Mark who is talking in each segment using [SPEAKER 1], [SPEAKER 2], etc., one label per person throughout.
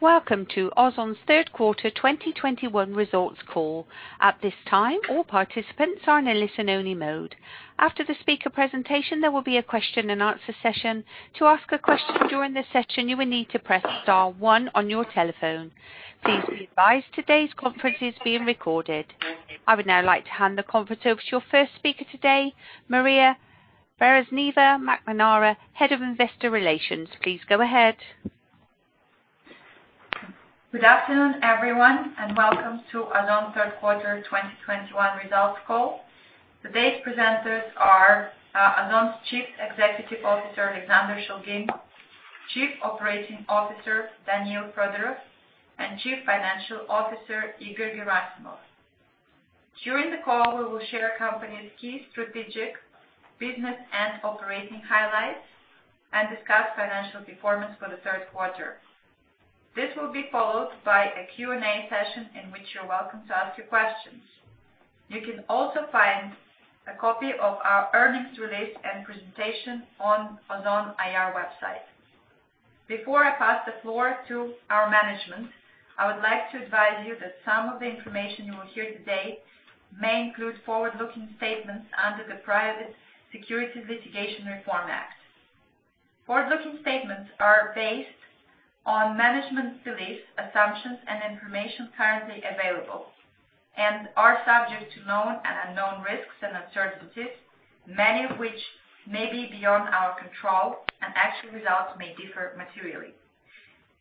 [SPEAKER 1] Welcome to Ozon's Third Quarter 2021 Results Call. At this time, all participants are in a listen only mode. After the speaker presentation, there will be a question and answer session. To ask a question during the session, you will need to press star one on your telephone. Please be advised today's conference is being recorded. I would now like to hand the conference over to your first speaker today, Maryia Berasneva-McNamara, Head of Investor Relations. Please go ahead.
[SPEAKER 2] Good afternoon, everyone. Welcome to Ozon third quarter 2021 results call. Today's presenters are Ozon's Chief Executive Officer, Alexander Shulgin, Chief Operating Officer, Daniil Fedorov, and Chief Financial Officer, Igor Gerasimov. During the call, we will share company's key strategic business and operating highlights and discuss financial performance for the third quarter. This will be followed by a Q&A session in which you're welcome to ask your questions. You can also find a copy of our earnings release and presentation on Ozon IR website. Before I pass the floor to our management, I would like to advise you that some of the information you will hear today may include forward-looking statements under the Private Securities Litigation Reform Act. Forward-looking statements are based on management's beliefs, assumptions and information currently available, and are subject to known and unknown risks and uncertainties, many of which may be beyond our control, and actual results may differ materially.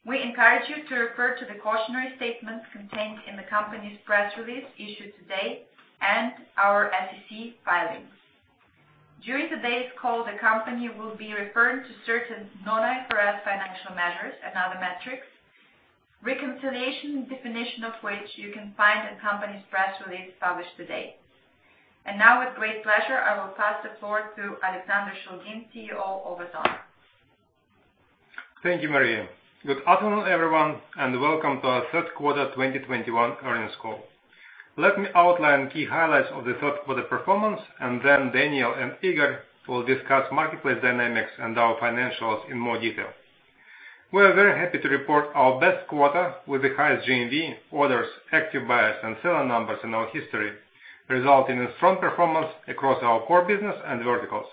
[SPEAKER 2] We encourage you to refer to the cautionary statements contained in the company's press release issued today and our SEC filings. During today's call, the company will be referring to certain non-IFRS financial measures and other metrics, reconciliation and definition of which you can find in company's press release published today. Now with great pleasure, I will pass the floor to Alexander Shulgin, CEO of Ozon.
[SPEAKER 3] Thank you, Maryia. Good afternoon, everyone, and welcome to our Q3 2021 earnings call. Let me outline key highlights of the third quarter performance, and then Daniil and Igor will discuss marketplace dynamics and our financials in more detail. We are very happy to report our best quarter with the highest GMV orders, active buyers and seller numbers in our history, resulting in strong performance across our core business and verticals.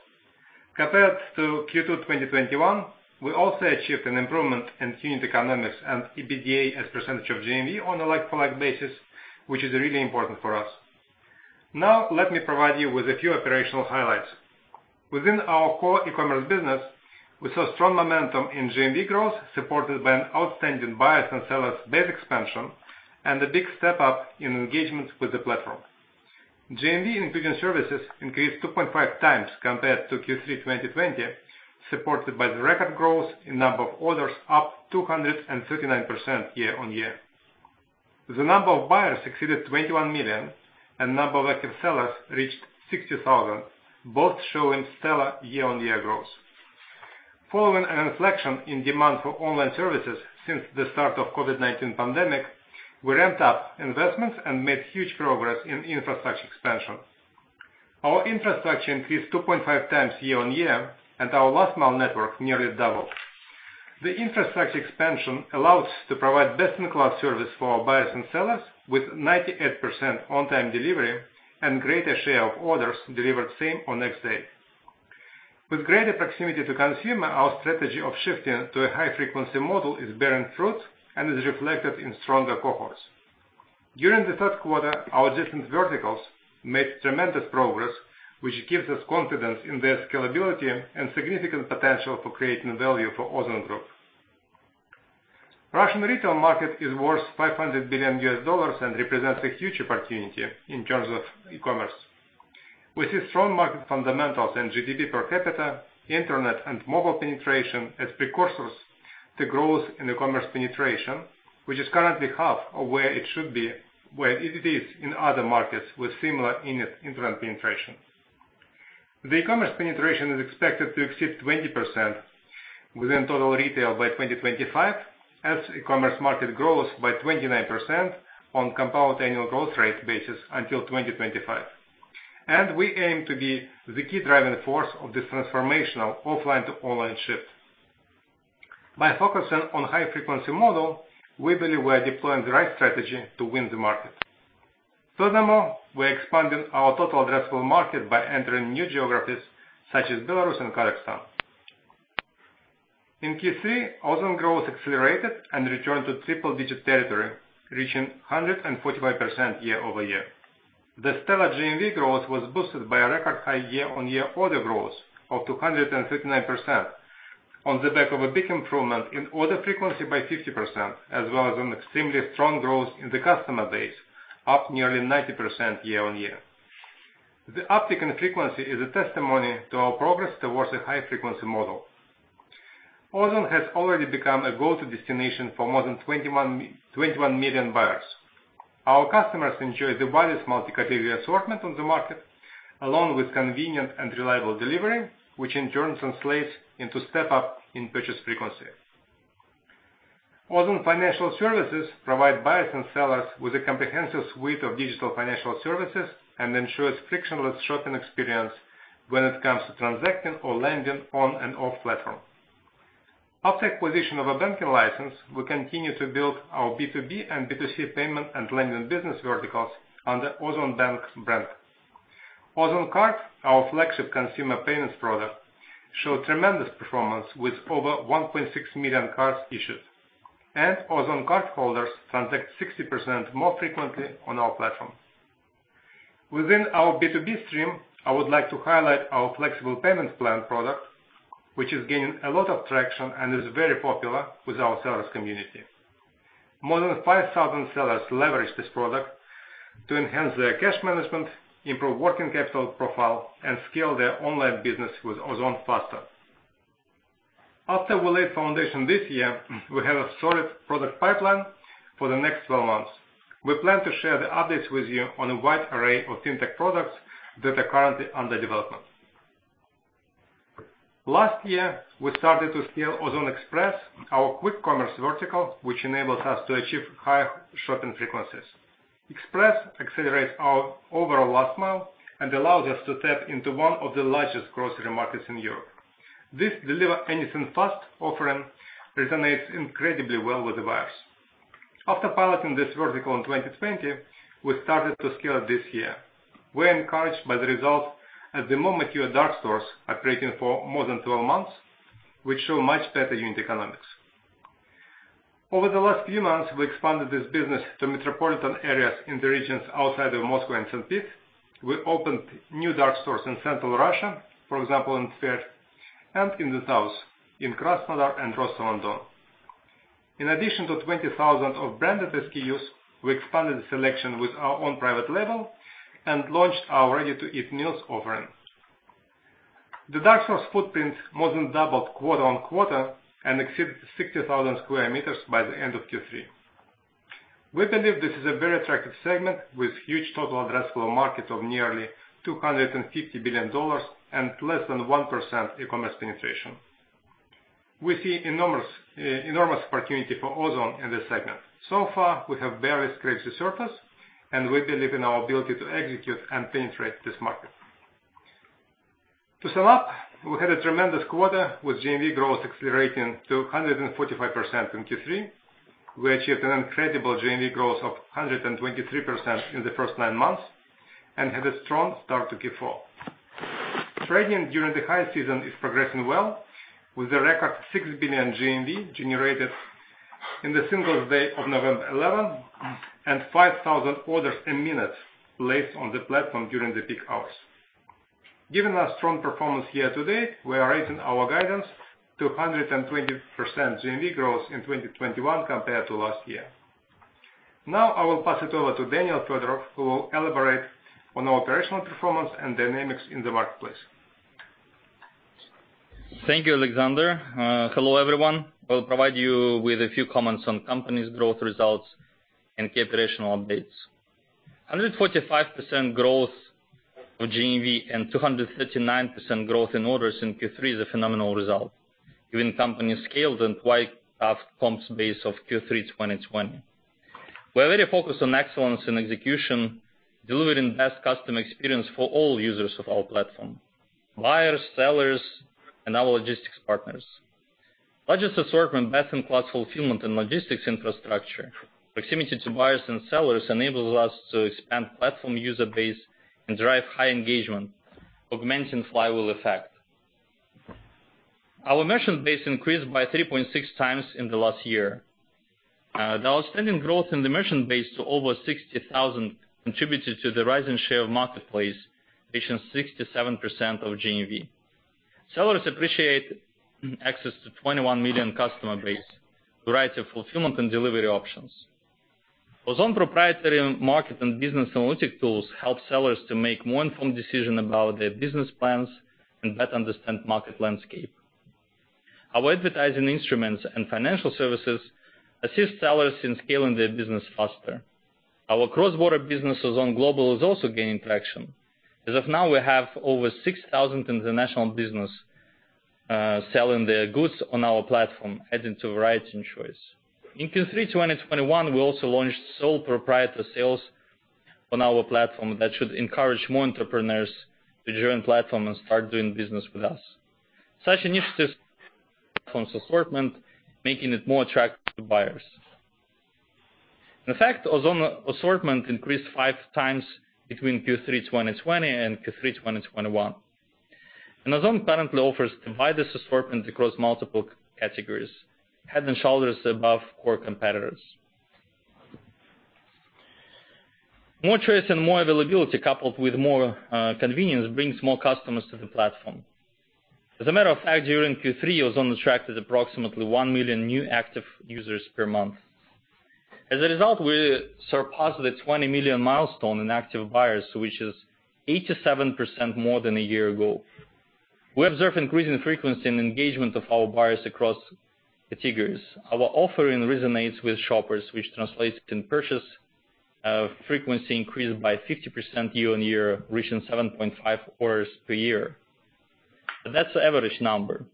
[SPEAKER 3] Compared to Q2 2021, we also achieved an improvement in unit economics and EBITDA as percentage of GMV on a like-for-like basis, which is really important for us. Now, let me provide you with a few operational highlights. Within our core e-commerce business, we saw strong momentum in GMV growth, supported by an outstanding buyers and sellers base expansion and a big step up in engagement with the platform. GMV, including services, increased 2.5x compared to Q3 2020, supported by the record growth in number of orders, up 239% year-on-year. The number of buyers exceeded 21 million, and number of active sellers reached 60,000, both showing stellar year-on-year growth. Following an inflection in demand for online services since the start of COVID-19 pandemic, we ramped up investments and made huge progress in infrastructure expansion. Our infrastructure increased 2.5x year-on-year, and our last mile network nearly doubled. The infrastructure expansion allows us to provide best-in-class service for our buyers and sellers with 98% on-time delivery and greater share of orders delivered same or next day. With greater proximity to consumer, our strategy of shifting to a high frequency model is bearing fruit and is reflected in stronger cohorts. During the third quarter, our different verticals made tremendous progress, which gives us confidence in their scalability and significant potential for creating value for Ozon Group. Russian retail market is worth $500 billion and represents a huge opportunity in terms of e-commerce. We see strong market fundamentals and GDP per capita, internet and mobile penetration as precursors to growth in e-commerce penetration, which is currently half of where it should be, where it is in other markets with similar initial internet penetration. The e-commerce penetration is expected to exceed 20% within total retail by 2025 as e-commerce market grows by 29% on compound annual growth rate basis until 2025. We aim to be the key driving force of this transformational offline to online shift. By focusing on high frequency model, we believe we are deploying the right strategy to win the market. Furthermore, we're expanding our total addressable market by entering new geographies such as Belarus and Kazakhstan. In Q3, Ozon growth accelerated and returned to triple-digit territory, reaching 145% year-over-year. The stellar GMV growth was boosted by a record high year-over-year order growth of 239% on the back of a big improvement in order frequency by 50%, as well as an extremely strong growth in the customer base, up nearly 90% year-over-year. The uptick in frequency is a testimony to our progress towards a high frequency model. Ozon has already become a go-to destination for more than 21 million buyers. Our customers enjoy the widest multi-category assortment on the market, along with convenient and reliable delivery, which in turn translates into step up in purchase frequency. Ozon Financial Services provide buyers and sellers with a comprehensive suite of digital financial services and ensures frictionless shopping experience when it comes to transacting or lending on and off platform. After acquisition of a banking license, we continue to build our B2B and B2C payment and lending business verticals under Ozon Bank's brand. Ozon Card, our flagship consumer payments product, showed tremendous performance with over 1.6 million cards issued. Ozon Card cardholders transact 60% more frequently on our platform. Within our B2B stream, I would like to highlight our flexible payment plan product, which is gaining a lot of traction and is very popular with our sellers community. More than 5,000 sellers leverage this product to enhance their cash management, improve working capital profile, and scale their online business with Ozon faster. After we laid foundation this year, we have a solid product pipeline for the next 12 months. We plan to share the updates with you on a wide array of FinTech products that are currently under development. Last year, we started to scale Ozon Express, our quick commerce vertical, which enables us to achieve higher shopping frequencies. Express accelerates our overall last mile and allows us to tap into one of the largest grocery markets in Europe. This deliver anything fast offering resonates incredibly well with the buyers. After piloting this vertical in 2020, we started to scale it this year. We're encouraged by the result as the more mature dark stores operating for more than 12 months, which show much better unit economics. Over the last few months, we expanded this business to metropolitan areas in the regions outside of Moscow and St. Petersburg. We opened new dark stores in Central Russia, for example, in Tver, and in the south, in Krasnodar and Rostov-on-Don. In addition to 20,000 branded SKUs, we expanded the selection with our own private label and launched our ready-to-eat meals offering. The dark stores footprint more than doubled quarter-on-quarter and exceeds 60,000 sqm by the end of Q3. We believe this is a very attractive segment with huge total addressable market of nearly $250 billion and less than 1% e-commerce penetration. We see enormous opportunity for Ozon in this segment. So far, we have barely scratched the surface, and we believe in our ability to execute and penetrate this market. To sum up, we had a tremendous quarter with GMV growth accelerating to 145% in Q3. We achieved an incredible GMV growth of 123% in the first nine months and had a strong start to Q4. Trading during the high season is progressing well with a record 6 billion GMV generated in the Singles' Day of November 11 and 5,000 orders a minute placed on the platform during the peak hours. Given our strong performance year-to-date, we are raising our guidance to 120% GMV growth in 2021 compared to last year. Now, I will pass it over to Daniil Fedorov, who will elaborate on our operational performance and dynamics in the marketplace.
[SPEAKER 4] Thank you, Alexander. Hello, everyone. I'll provide you with a few comments on company's growth results and key operational updates. 145% growth of GMV and 239% growth in orders in Q3 is a phenomenal result given company's scale and quite a comp base of Q3 2020. We're very focused on excellence and execution, delivering best customer experience for all users of our platform, buyers, sellers, and our logistics partners. Largest assortment, best-in-class fulfillment and logistics infrastructure, proximity to buyers and sellers enables us to expand platform user base and drive high engagement, augmenting flywheel effect. Our merchant base increased by 3.6x in the last year. The outstanding growth in the merchant base to over 60,000 contributed to the rising share of marketplace reaching 67% of GMV. Sellers appreciate access to 21 million customer base, variety of fulfillment and delivery options. Ozon proprietary market and business analytic tools help sellers to make more informed decision about their business plans and better understand market landscape. Our advertising instruments and financial services assist sellers in scaling their business faster. Our cross-border business, Ozon Global, is also gaining traction. As of now, we have over 6,000 international business selling their goods on our platform, adding to variety and choice. In Q3 2021, we also launched sole proprietor sales on our platform that should encourage more entrepreneurs to join platform and start doing business with us. Such initiatives platform's assortment, making it more attractive to buyers. In fact, Ozon assortment increased 5x between Q3 2020 and Q3 2021. Ozon currently offers the widest assortment across multiple categories, head and shoulders above core competitors. More choice and more availability coupled with more convenience brings more customers to the platform. As a matter of fact, during Q3, Ozon attracted approximately 1 million new active users per month. As a result, we surpassed the 20 million milestone in active buyers, which is 87% more than a year ago. We observe increasing frequency and engagement of our buyers across categories. Our offering resonates with shoppers, which translates in purchase frequency increase by 50% year-on-year, reaching 7.5 orders per year. That's the average number.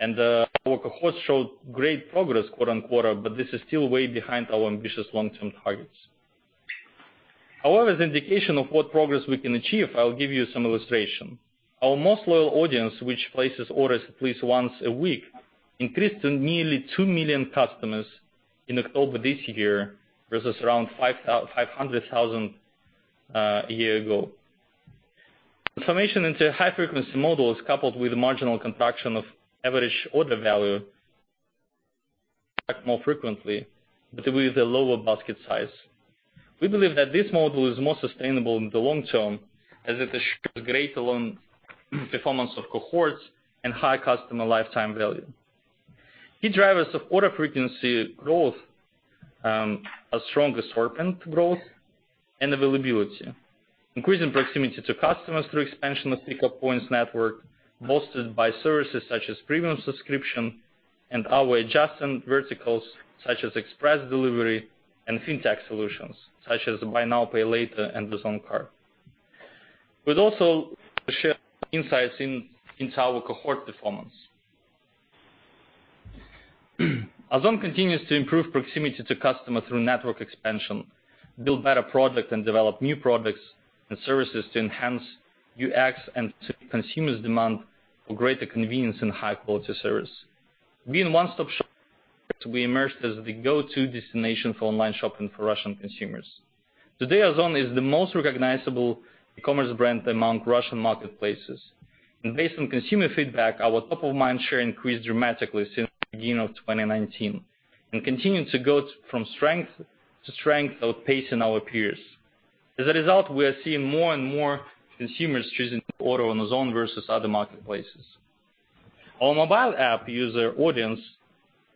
[SPEAKER 4] Our cohorts showed great progress quarter-on-quarter, but this is still way behind our ambitious long-term targets. However, the indication of what progress we can achieve. I'll give you some illustration. Our most loyal audience, which places orders at least once a week, increased to nearly two million customers in October this year, versus around 500,000 a year ago. Transformation into a high-frequency model is coupled with marginal contraction of average order value more frequently, but with a lower basket size. We believe that this model is more sustainable in the long term as it shows great long performance of cohorts and high customer lifetime value. Key drivers of order frequency growth are strong assortment growth and availability, increasing proximity to customers through expansion of pickup points network, bolstered by services such as premium subscription and our adjacent verticals such as express delivery and fintech solutions, such as buy now, pay later, and the Ozon Card. We'd also share insights into our cohort performance. Ozon continues to improve proximity to customer through network expansion, build better product, and develop new products and services to enhance UX and to consumers' demand for greater convenience and high-quality service. Being a one-stop shop, we emerged as the go-to destination for online shopping for Russian consumers. Today, Ozon is the most recognizable e-commerce brand among Russian marketplaces. Based on consumer feedback, our top of mind share increased dramatically since beginning of 2019, and continue to go from strength to strength, outpacing our peers. As a result, we are seeing more and more consumers choosing to order on Ozon versus other marketplaces. Our mobile app user audience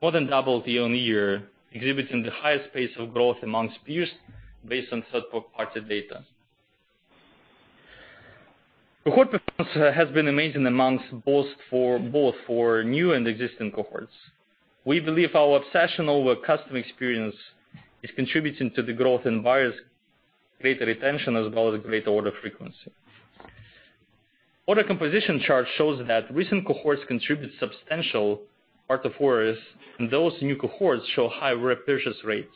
[SPEAKER 4] more than doubled year-on-year, exhibiting the highest pace of growth among peers based on third-party data. Cohort performance has been amazing among both new and existing cohorts. We believe our obsession over customer experience is contributing to the growth in buyers, greater retention, as well as greater order frequency. Order composition chart shows that recent cohorts contribute substantial part of orders, and those new cohorts show high repurchase rates,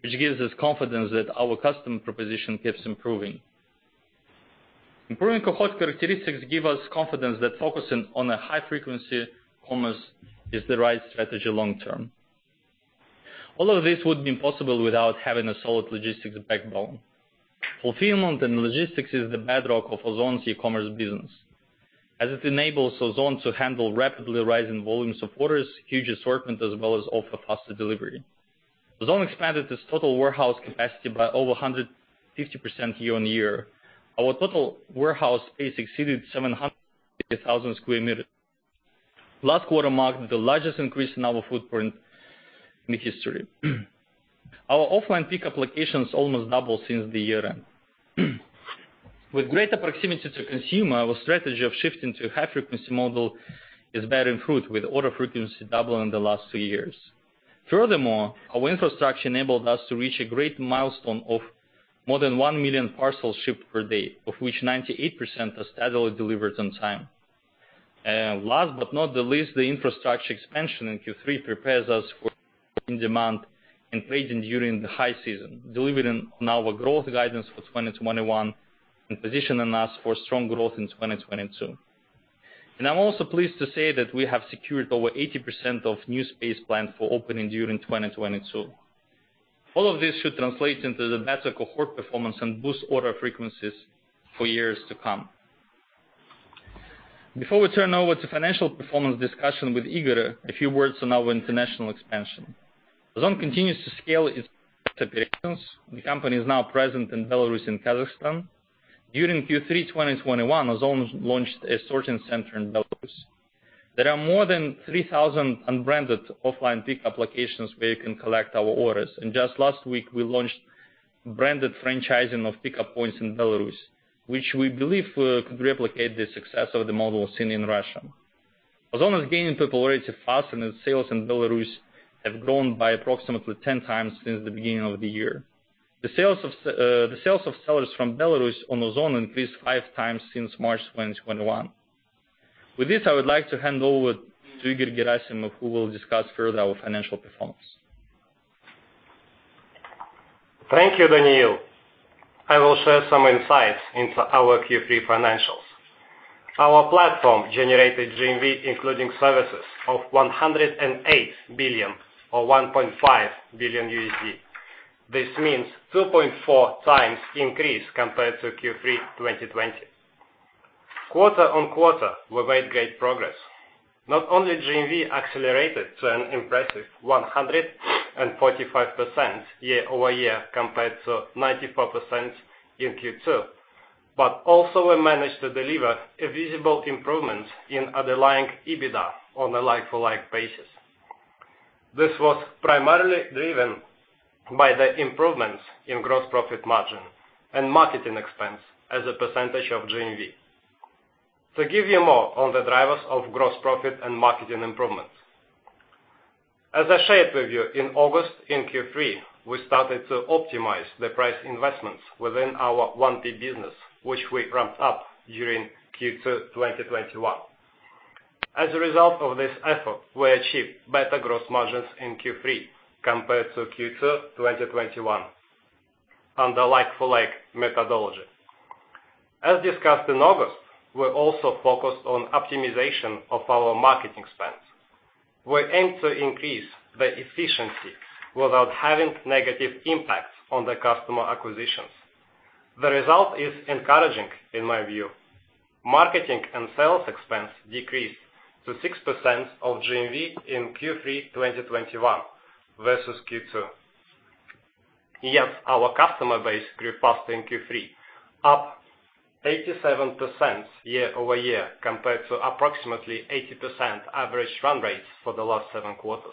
[SPEAKER 4] which gives us confidence that our customer proposition keeps improving. Improving cohort characteristics give us confidence that focusing on a high-frequency commerce is the right strategy long term. All of this would be impossible without having a solid logistics backbone. Fulfillment and logistics is the bedrock of Ozon's e-commerce business, as it enables Ozon to handle rapidly rising volumes of orders, huge assortment, as well as offer faster delivery. Ozon expanded its total warehouse capacity by over 150% year-on-year. Our total warehouse space exceeded 750,000 sqm. Last quarter marked the largest increase in our footprint in the history. Our offline pickup locations almost doubled since the year-end. With greater proximity to consumer, our strategy of shifting to a high-frequency model is bearing fruit, with order frequency doubling in the last two years. Furthermore, our infrastructure enabled us to reach a great milestone of more than one million parcels shipped per day, of which 98% are steadily delivered on time. Last but not the least, the infrastructure expansion in Q3 prepares us for demand and peak during the high season, delivering on our growth guidance for 2021 and positioning us for strong growth in 2022. I'm also pleased to say that we have secured over 80% of new space planned for opening during 2022. All of this should translate into the better cohort performance and boost order frequencies for years to come. Before we turn over to financial performance discussion with Igor, a few words on our international expansion. Ozon continues to scale its operations. The company is now present in Belarus and Kazakhstan. During Q3 2021, Ozon launched a sorting center in Belarus. There are more than 3,000 unbranded offline pickup locations where you can collect our orders. Just last week, we launched branded franchising of pickup points in Belarus, which we believe could replicate the success of the model seen in Russia. Ozon is gaining popularity faster, and sales in Belarus have grown by approximately 10 times since the beginning of the year. The sales of sellers from Belarus on Ozon increased 5 times since March 2021. With this, I would like to hand over to Igor Gerasimov, who will discuss further our financial performance.
[SPEAKER 5] Thank you, Daniil. I will share some insights into our Q3 financials. Our platform generated GMV, including services, of 108 billion or $1.5 billion. This means 2.4x increase compared to Q3 2020. Quarter-on-quarter, we made great progress. Not only GMV accelerated to an impressive 145% year-over-year compared to 94% in Q2, but also we managed to deliver a visible improvement in underlying EBITDA on a like-for-like basis. This was primarily driven by the improvements in gross profit margin and marketing expense as a percentage of GMV. To give you more on the drivers of gross profit and marketing improvements. As I shared with you in August, in Q3, we started to optimize the price investments within our 1P business, which we ramped up during Q2 2021. As a result of this effort, we achieved better gross margins in Q3 compared to Q2 2021 on the like-for-like methodology. As discussed in August, we're also focused on optimization of our marketing spends. We aim to increase the efficiency without having negative impact on the customer acquisitions. The result is encouraging, in my view. Marketing and sales expense decreased to 6% of GMV in Q3 2021 versus Q2. Yet our customer base grew faster in Q3, up 87% year-over-year compared to approximately 80% average run rates for the last seven quarters.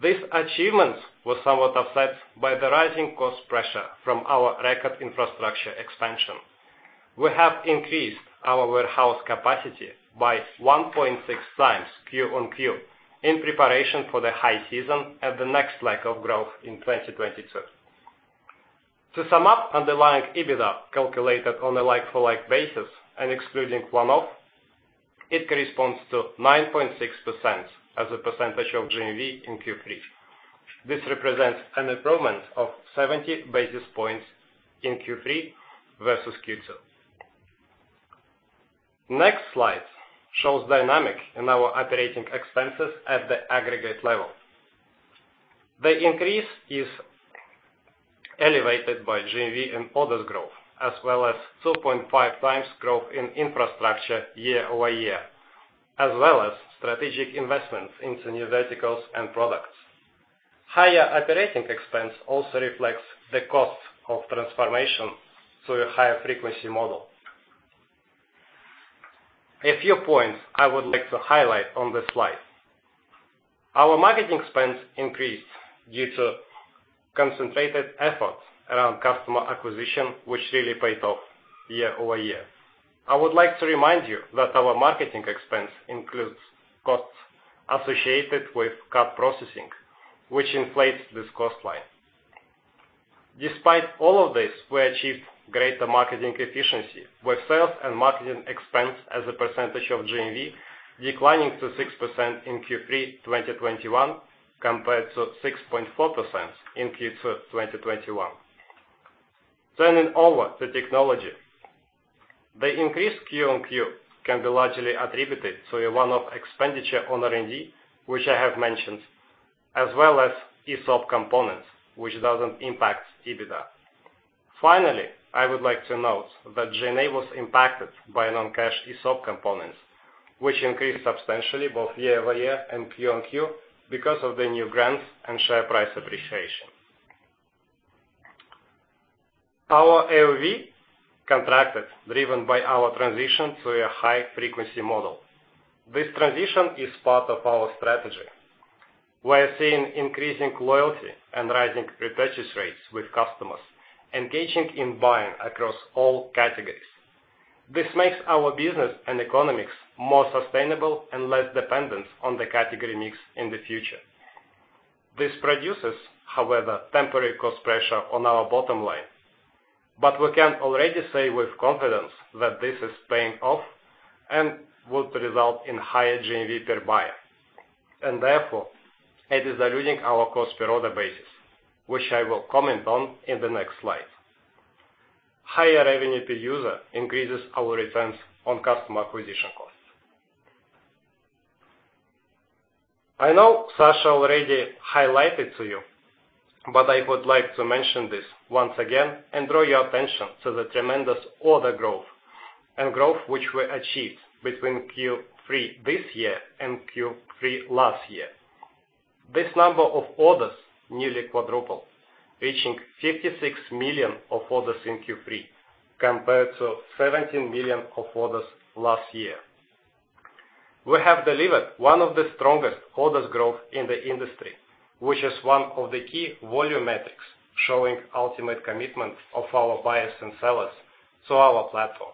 [SPEAKER 5] This achievement was somewhat offset by the rising cost pressure from our record infrastructure expansion. We have increased our warehouse capacity by 1.6x Q-on-Q in preparation for the high season at the next leg of growth in 2022. To sum up underlying EBITDA calculated on a like-for-like basis and excluding one-off, it corresponds to 9.6% as a percentage of GMV in Q3. This represents an improvement of 70 basis points in Q3 versus Q2. Next slide shows dynamics in our operating expenses at the aggregate level. The increase is elevated by GMV and orders growth, as well as 2.5x growth in infrastructure year-over-year, as well as strategic investments into new verticals and products. Higher operating expense also reflects the cost of transformation to a higher frequency model. A few points I would like to highlight on this slide. Our marketing expense increased due to concentrated efforts around customer acquisition, which really paid off year-over-year. I would like to remind you that our marketing expense includes costs associated with card processing, which inflates this cost line. Despite all of this, we achieved greater marketing efficiency, with sales and marketing expense as a percentage of GMV declining to 6% in Q3 2021 compared to 6.4% in Q2 2021. Turning over to technology. The increase Q-on-Q can be largely attributed to a one-off expenditure on R&D, which I have mentioned, as well as ESOP components, which doesn't impact EBITDA. Finally, I would like to note that G&A was impacted by non-cash ESOP components, which increased substantially both year-over-year and Q-on-Q because of the new grants and share price appreciation. Our AOV contracted, driven by our transition to a high frequency model. This transition is part of our strategy. We are seeing increasing loyalty and rising repurchase rates with customers engaging in buying across all categories. This makes our business and economics more sustainable and less dependent on the category mix in the future. This produces, however, temporary cost pressure on our bottom line. We can already say with confidence that this is paying off and would result in higher GMV per buyer. Therefore, it is diluting our cost per order basis, which I will comment on in the next slide. Higher revenue per user increases our returns on customer acquisition costs. I know Sasha already highlighted to you, but I would like to mention this once again and draw your attention to the tremendous order growth and growth which we achieved between Q3 this year and Q3 last year. This number of orders nearly quadrupled, reaching 56 million orders in Q3 compared to 17 million orders last year. We have delivered one of the strongest orders growth in the industry, which is one of the key volume metrics showing ultimate commitment of our buyers and sellers to our platform.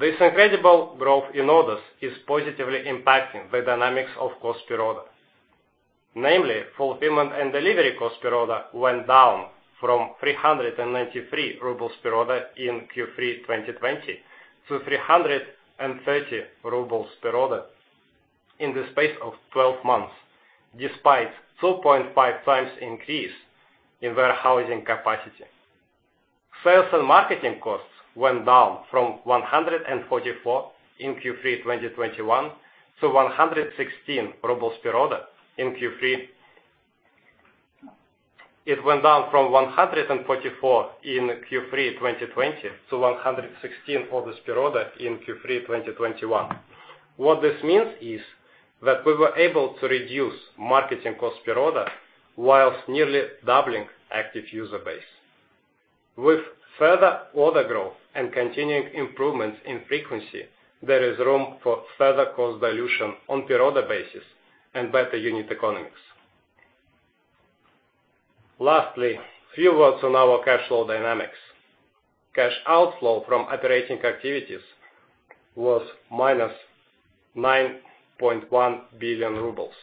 [SPEAKER 5] This incredible growth in orders is positively impacting the dynamics of cost per order. Namely, fulfillment and delivery cost per order went down from 393 rubles per order in Q3 2020 to 330 rubles per order in the space of 12 months, despite 2.5x increase in warehousing capacity. Sales and marketing costs went down from 144 in Q3 2021 to 116 rubles per order in Q3. It went down from 144 in Q3 2020 to 116 rubles per order in Q3 2021. What this means is that we were able to reduce marketing cost per order while nearly doubling active user base. With further order growth and continuing improvements in frequency, there is room for further cost dilution on per order basis and better unit economics. Lastly, a few words on our cash flow dynamics. Cash outflow from operating activities was -9.1 billion rubles.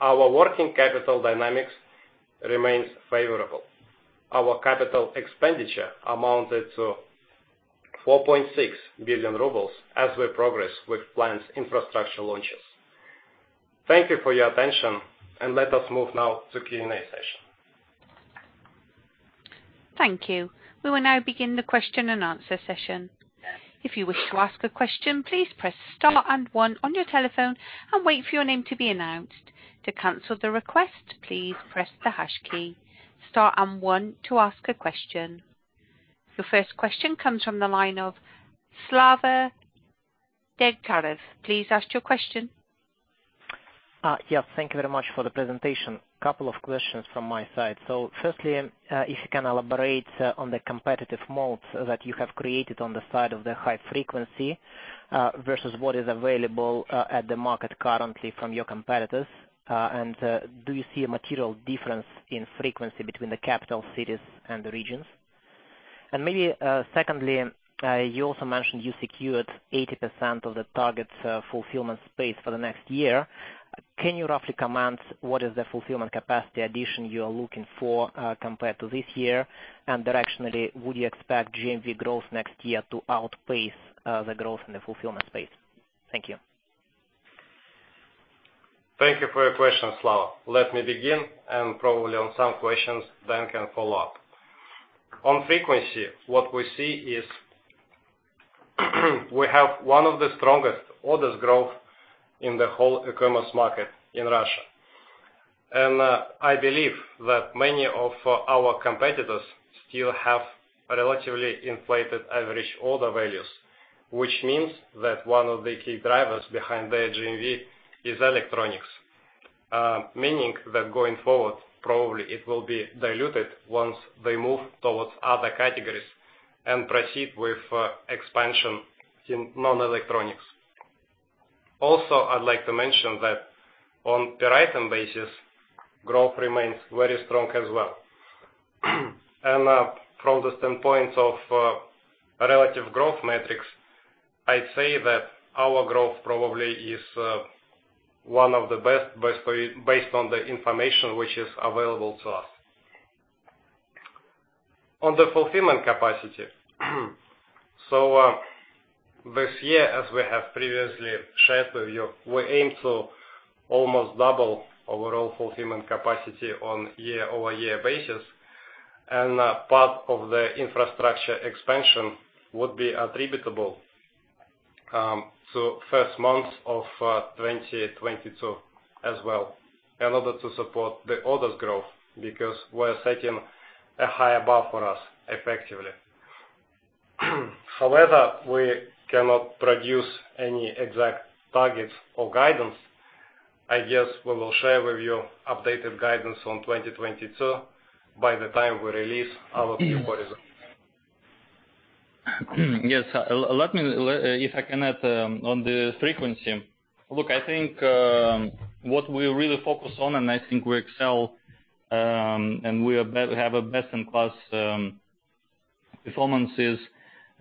[SPEAKER 5] Our working capital dynamics remains favorable. Our capital expenditure amounted to 4.6 billion rubles as we progress with planned infrastructure launches. Thank you for your attention, and let us move now to Q&A session.
[SPEAKER 1] Thank you. We will now begin the question-and-answer session. If you wish to ask a question, please press star and one on your telephone and wait for your name to be announced. To cancel the request, please press the hash key. Star and one to ask a question. The first question comes from the line of Slava Degtyarev. Please ask your question.
[SPEAKER 6] Thank you very much for the presentation. Couple of questions from my side. First, if you can elaborate on the competitive modes that you have created on the side of the high frequency versus what is available in the market currently from your competitors. Do you see a material difference in frequency between the capital cities and the regions? Second, you also mentioned you secured 80% of the target fulfillment space for the next year. Can you roughly comment what is the fulfillment capacity addition you are looking for compared to this year? Directionally, would you expect GMV growth next year to outpace the growth in the fulfillment space? Thank you.
[SPEAKER 5] Thank you for your question, Slava. Let me begin, and probably on some questions Dan can follow up. On frequency, what we see is we have one of the strongest orders growth in the whole e-commerce market in Russia. I believe that many of our competitors still have relatively inflated average order values, which means that one of the key drivers behind their GMV is electronics. Meaning that going forward, probably it will be diluted once they move towards other categories and proceed with expansion in non-electronics. Also, I'd like to mention that on per item basis, growth remains very strong as well. From the standpoint of relative growth metrics, I'd say that our growth probably is one of the best based on the information which is available to us. On the fulfillment capacity, this year, as we have previously shared with you, we aim to almost double overall fulfillment capacity on year-over-year basis. A part of the infrastructure expansion would be attributable to first months of 2022 as well, in order to support the orders growth, because we're setting a high bar for us effectively. However, we cannot provide any exact targets or guidance. I guess we will share with you updated guidance on 2022 by the time we release our next quarter.
[SPEAKER 4] Yes. Let me, if I can add, on the frequency. Look, I think, what we really focus on, and I think we excel, and we have a best-in-class performance is,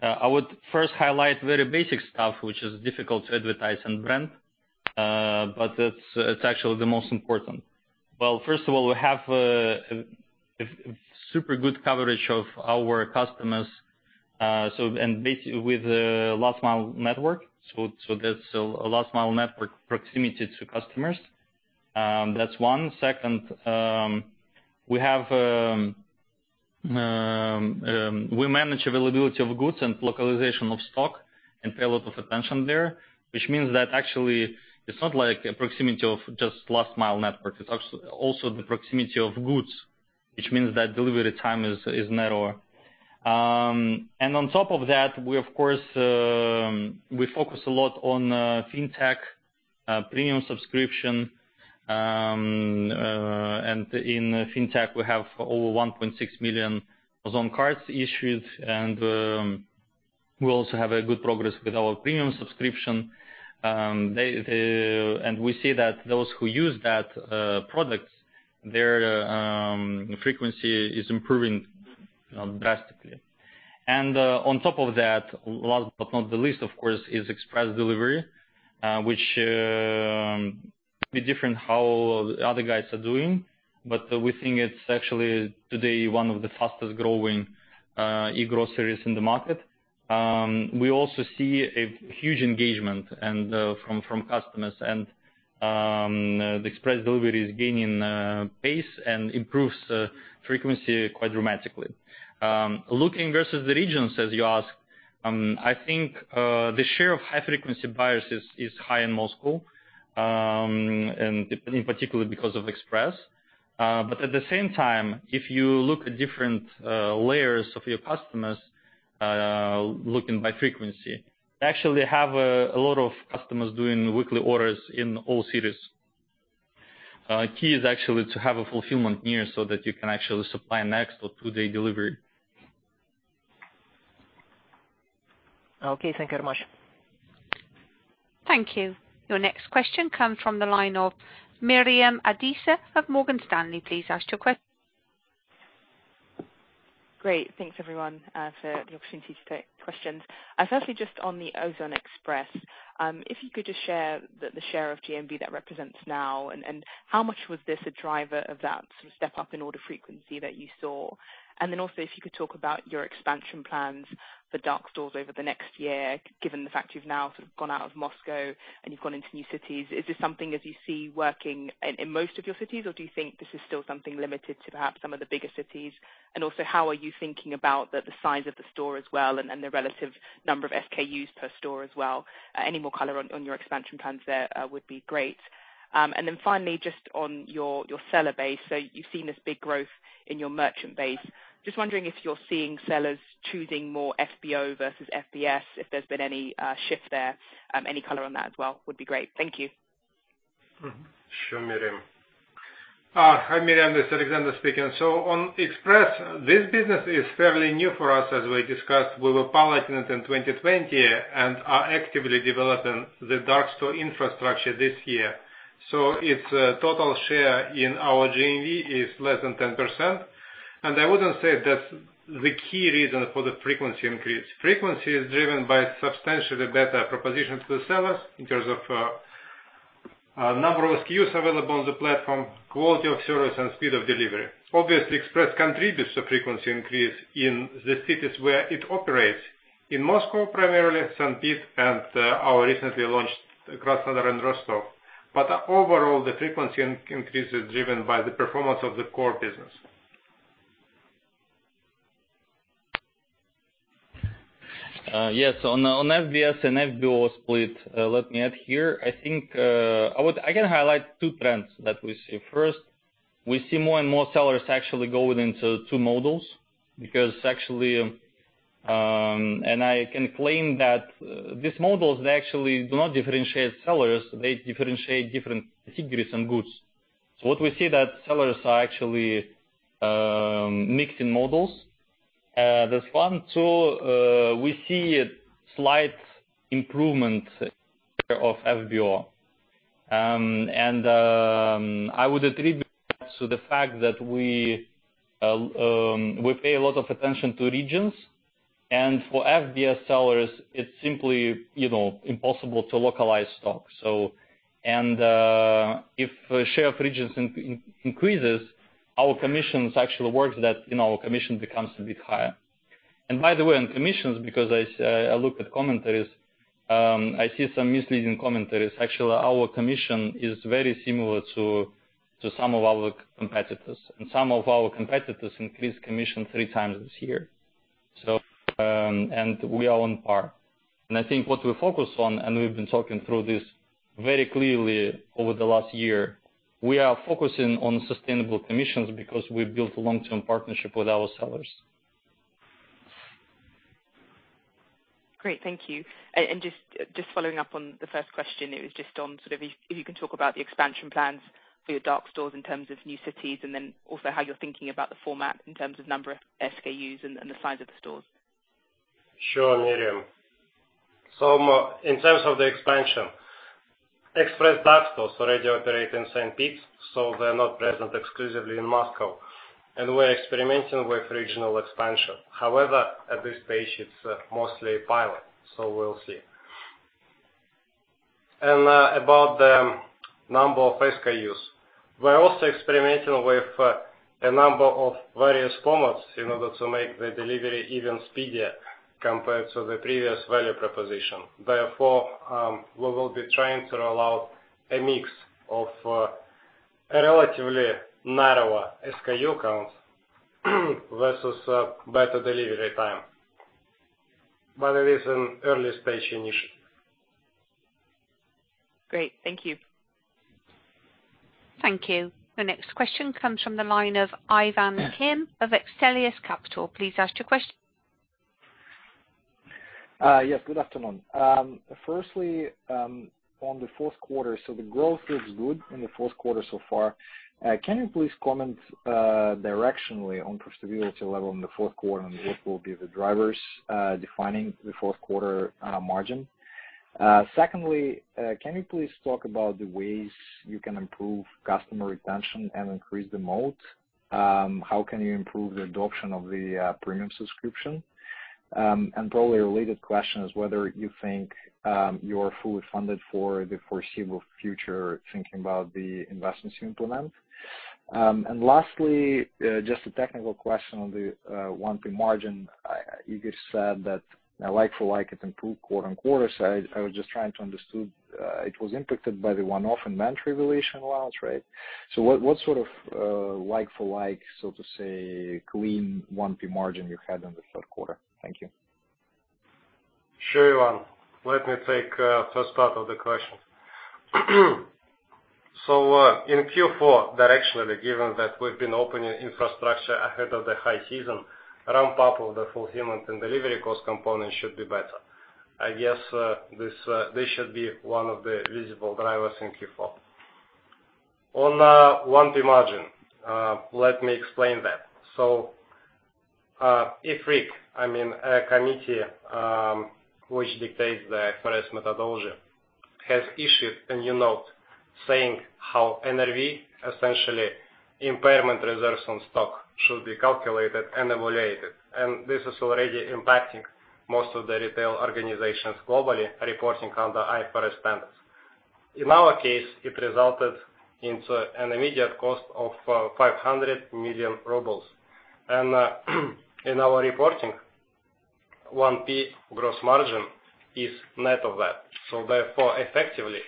[SPEAKER 4] I would first highlight very basic stuff, which is difficult to advertise and brand, but it's actually the most important. Well, first of all, we have super good coverage of our customers, so, with the last mile network. So, that's a last mile network proximity to customers. That's one. Second, we manage availability of goods and localization of stock and pay a lot of attention there, which means that actually it's not like a proximity of just last mile network. It's also the proximity of goods, which means that delivery time is narrower. On top of that, we of course focus a lot on fintech, premium subscription. In fintech, we have over 1.6 million Ozon Cards issued, and we also have good progress with our premium subscription. We see that those who use that product, their frequency is improving drastically. On top of that, last but not the least, of course, is express delivery, which could be different how other guys are doing. We think it's actually today one of the fastest growing e-groceries in the market. We also see a huge engagement and from customers and the express delivery is gaining pace and improves frequency quite dramatically. Looking versus the regions, as you ask, I think, the share of high-frequency buyers is high in Moscow, and in particular because of express. But at the same time, if you look at different layers of your customers, looking by frequency, actually have a lot of customers doing weekly orders in all cities. Key is actually to have a fulfillment near so that you can actually supply next or two-day delivery. Okay, thank you very much.
[SPEAKER 1] Thank you. Your next question comes from the line of Miriam Adisa of Morgan Stanley. Please ask your que-
[SPEAKER 7] Great. Thanks everyone for the opportunity to take questions. Firstly, just on the Ozon Express, if you could just share the share of GMV that represents now and how much was this a driver of that sort of step up in order frequency that you saw? Then also if you could talk about your expansion plans for dark stores over the next year, given the fact you've now sort of gone out of Moscow and you've gone into new cities. Is this something that you see working in most of your cities, or do you think this is still something limited to perhaps some of the bigger cities? How are you thinking about the size of the store as well and the relative number of SKUs per store as well? Any more color on your expansion plans there would be great. Finally, just on your seller base. You've seen this big growth in your merchant base. Just wondering if you're seeing sellers choosing more FBO versus FBS, if there's been any shift there. Any color on that as well would be great. Thank you.
[SPEAKER 3] Sure, Miriam. Hi Miriam, this is Alexander speaking. On Express, this business is fairly new for us as we discussed. We were piloting it in 2020 and are actively developing the dark store infrastructure this year. Its total share in our GMV is less than 10%. I wouldn't say that's the key reason for the frequency increase. Frequency is driven by substantially better propositions to the sellers in terms of number of SKUs available on the platform, quality of service and speed of delivery. Obviously, Express contributes to frequency increase in the cities where it operates. In Moscow, primarily St. Petersburg and our recently launched Krasnodar and Rostov. Overall, the frequency increase is driven by the performance of the core business.
[SPEAKER 4] Yes. On FBS and FBO split, let me add here. I think I can highlight two trends that we see. First, we see more and more sellers actually going into two models because actually, and I can claim that these models, they actually do not differentiate sellers, they differentiate different categories and goods. What we see that sellers are actually mixed in models. That's one. Two, we see a slight improvement of FBO. I would attribute that to the fact that we pay a lot of attention to regions. For FBS sellers, it's simply, you know, impossible to localize stock. If share of regions increases, our commissions actually work such that, you know, commission becomes a bit higher. By the way, on commissions, because I looked at commentaries, I see some misleading commentaries. Actually, our commission is very similar to some of our competitors. Some of our competitors increased commission three times this year. We are on par. I think what we focus on, and we've been talking through this very clearly over the last year, we are focusing on sustainable commissions because we've built a long-term partnership with our sellers.
[SPEAKER 7] Great. Thank you. Just following up on the first question, it was just on sort of if you can talk about the expansion plans for your dark stores in terms of new cities, and then also how you're thinking about the format in terms of number of SKUs and the size of the stores.
[SPEAKER 5] Sure, Miriam. In terms of the expansion, Express dark stores already operate in St. Petersburg, so they're not present exclusively in Moscow. We're experimenting with regional expansion. However, at this stage, it's mostly pilot, so we'll see. About the number of SKUs. We're also experimenting with a number of various formats in order to make the delivery even speedier compared to the previous value proposition. Therefore, we will be trying to roll out a mix of a relatively narrower SKU count versus better delivery time. It is an early stage initiative.
[SPEAKER 7] Great. Thank you.
[SPEAKER 1] Thank you. The next question comes from the line of Ivan Kim of Xtellus Capital. Please ask your question.
[SPEAKER 8] Yes, good afternoon. Firstly, on the fourth quarter. The growth looks good in the fourth quarter so far. Can you please comment directionally on profitability level in the fourth quarter, and what will be the drivers defining the fourth quarter margin? Secondly, can you please talk about the ways you can improve customer retention and increase the moat? How can you improve the adoption of the premium subscription? And probably a related question is whether you think you're fully funded for the foreseeable future, thinking about the investments to implement. And lastly, just a technical question on the 1P margin. You just said that like for like it improved quarter-on-quarter. I was just trying to understand it was impacted by the one-off inventory valuation allowance, right? What sort of, like for like, so to say, clean 1P margin you had in the third quarter? Thank you.
[SPEAKER 5] Sure, Ivan. Let me take first part of the question. In Q4, directionally, given that we've been opening infrastructure ahead of the high season, ramp-up of the fulfillment and delivery cost component should be better. I guess this should be one of the visible drivers in Q4. On 1P margin, let me explain that. IFRIC, I mean, a committee which dictates the IFRS methodology, has issued a new note saying how NRV, essentially impairment reserves on stock should be calculated and evaluated. This is already impacting most of the retail organizations globally reporting under IFRS standards. In our case, it resulted into an immediate cost of 500 million rubles. In our reporting, 1P gross margin is net of that. Therefore, effectively,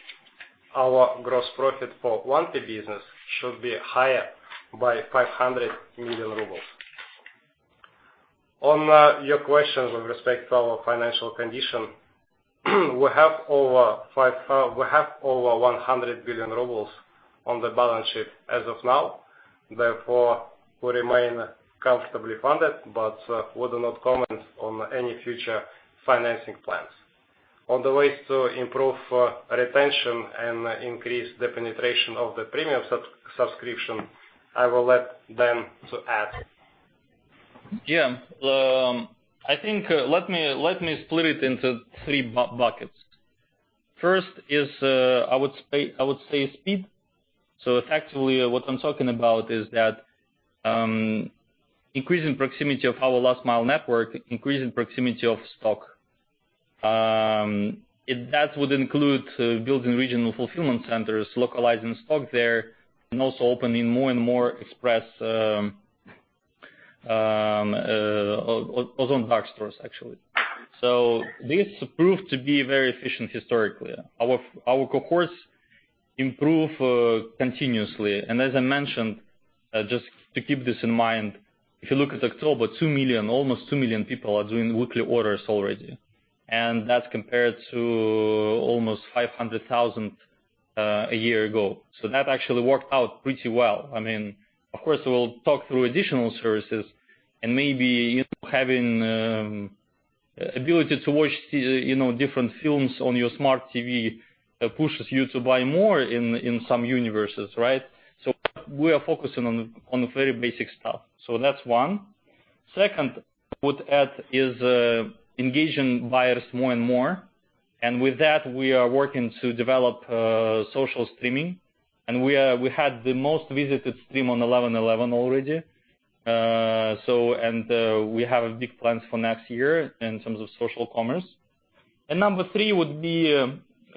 [SPEAKER 5] our gross profit for 1P business should be higher by 500 million rubles. On your question with respect to our financial condition, we have over 100 billion rubles on the balance sheet as of now. Therefore, we remain comfortably funded, but would not comment on any future financing plans. On the ways to improve retention and increase the penetration of the premium subscription, I will let Dan to add.
[SPEAKER 4] I think, let me split it into three buckets. First is, I would say, speed. Effectively what I'm talking about is that, increasing proximity of our last mile network, increasing proximity of stock. That would include building regional fulfillment centers, localizing stock there, and also opening more and more express Ozon hub stores actually. This proved to be very efficient historically. Our cohorts improve continuously. As I mentioned, just to keep this in mind, if you look at October, almost two million people are doing weekly orders already. That's compared to almost 500,000 a year ago. That actually worked out pretty well. I mean, of course, we'll talk through additional services and maybe, you know, having ability to watch, you know, different films on your smart TV pushes you to buy more in some universes, right? We are focusing on the very basic stuff. That's one. Second I would add is engaging buyers more and more. With that, we are working to develop social streaming. We had the most visited stream on Singles' Day already. We have big plans for next year in terms of social commerce. Number three would be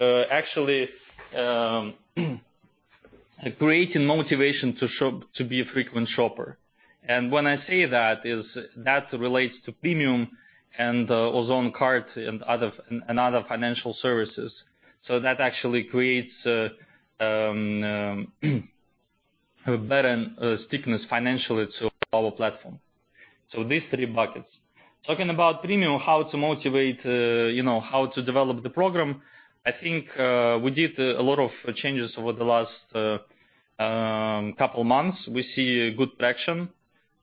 [SPEAKER 4] actually creating motivation to shop to be a frequent shopper. When I say that that relates to Ozon Premium and Ozon Card and other financial services. That actually creates better stickiness financially to our platform. These three buckets. Talking about Premium, how to motivate, you know, how to develop the program. I think we did a lot of changes over the last couple months. We see good traction.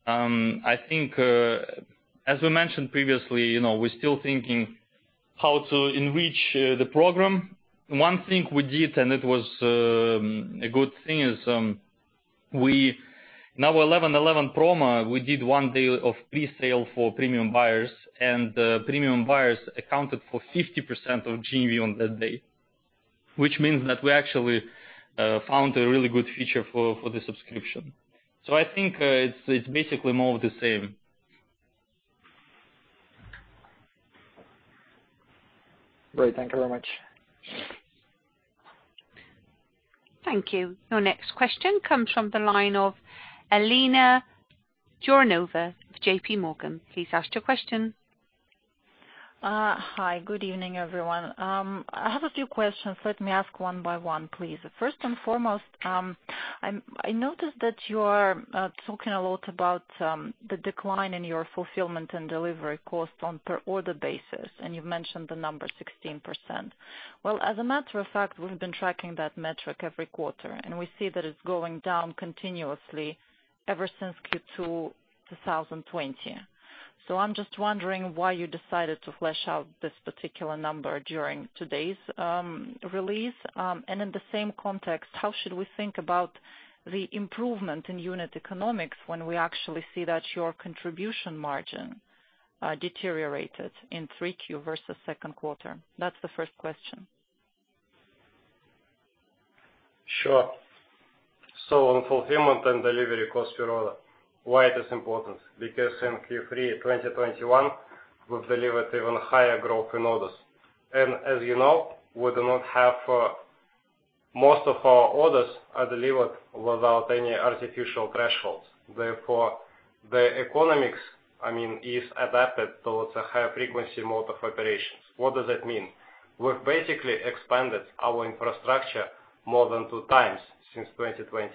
[SPEAKER 4] I think as we mentioned previously, you know, we're still thinking how to enrich the program. One thing we did, and it was a good thing, is we in our 11/11 promo, we did one day of presale for Premium buyers, and the Premium buyers accounted for 50% of GMV on that day. Which means that we actually found a really good feature for the subscription. I think it’s basically more of the same.
[SPEAKER 2] Great. Thank you very much.
[SPEAKER 1] Thank you. Your next question comes from the line of Elena Jouronova of JPMorgan. Please ask your question.
[SPEAKER 9] Hi, good evening everyone. I have a few questions, let me ask one-by-one, please. First and foremost, I noticed that you are talking a lot about the decline in your fulfillment and delivery costs on per order basis, and you've mentioned the number 16%. Well, as a matter of fact, we've been tracking that metric every quarter and we see that it's going down continuously ever since Q2 2020. So I'm just wondering why you decided to flesh out this particular number during today's release. And in the same context, how should we think about the improvement in unit economics when we actually see that your contribution margin deteriorated in 3Q versus second quarter? That's the first question.
[SPEAKER 5] Sure. On fulfillment and delivery cost per order, why it is important? Because in Q3 of 2021, we've delivered even higher growth in orders. As you know, we do not have most of our orders are delivered without any artificial thresholds. Therefore, the economics, I mean, is adapted towards a higher frequency mode of operations. What does that mean? We've basically expanded our infrastructure more than 2x since 2020,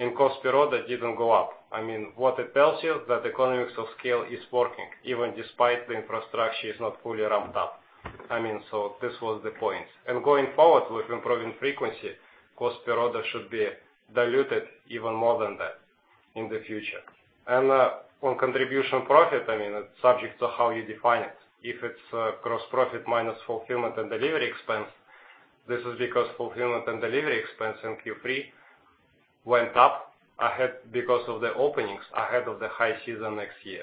[SPEAKER 5] and cost per order didn't go up. I mean, what it tells you that economics of scale is working even despite the infrastructure is not fully ramped up. I mean, this was the point. Going forward with improving frequency, cost per order should be diluted even more than that in the future. On contribution profit, I mean, it's subject to how you define it. If it's gross profit minus fulfillment and delivery expense, this is because fulfillment and delivery expense in Q3 went up ahead because of the openings ahead of the high season next year.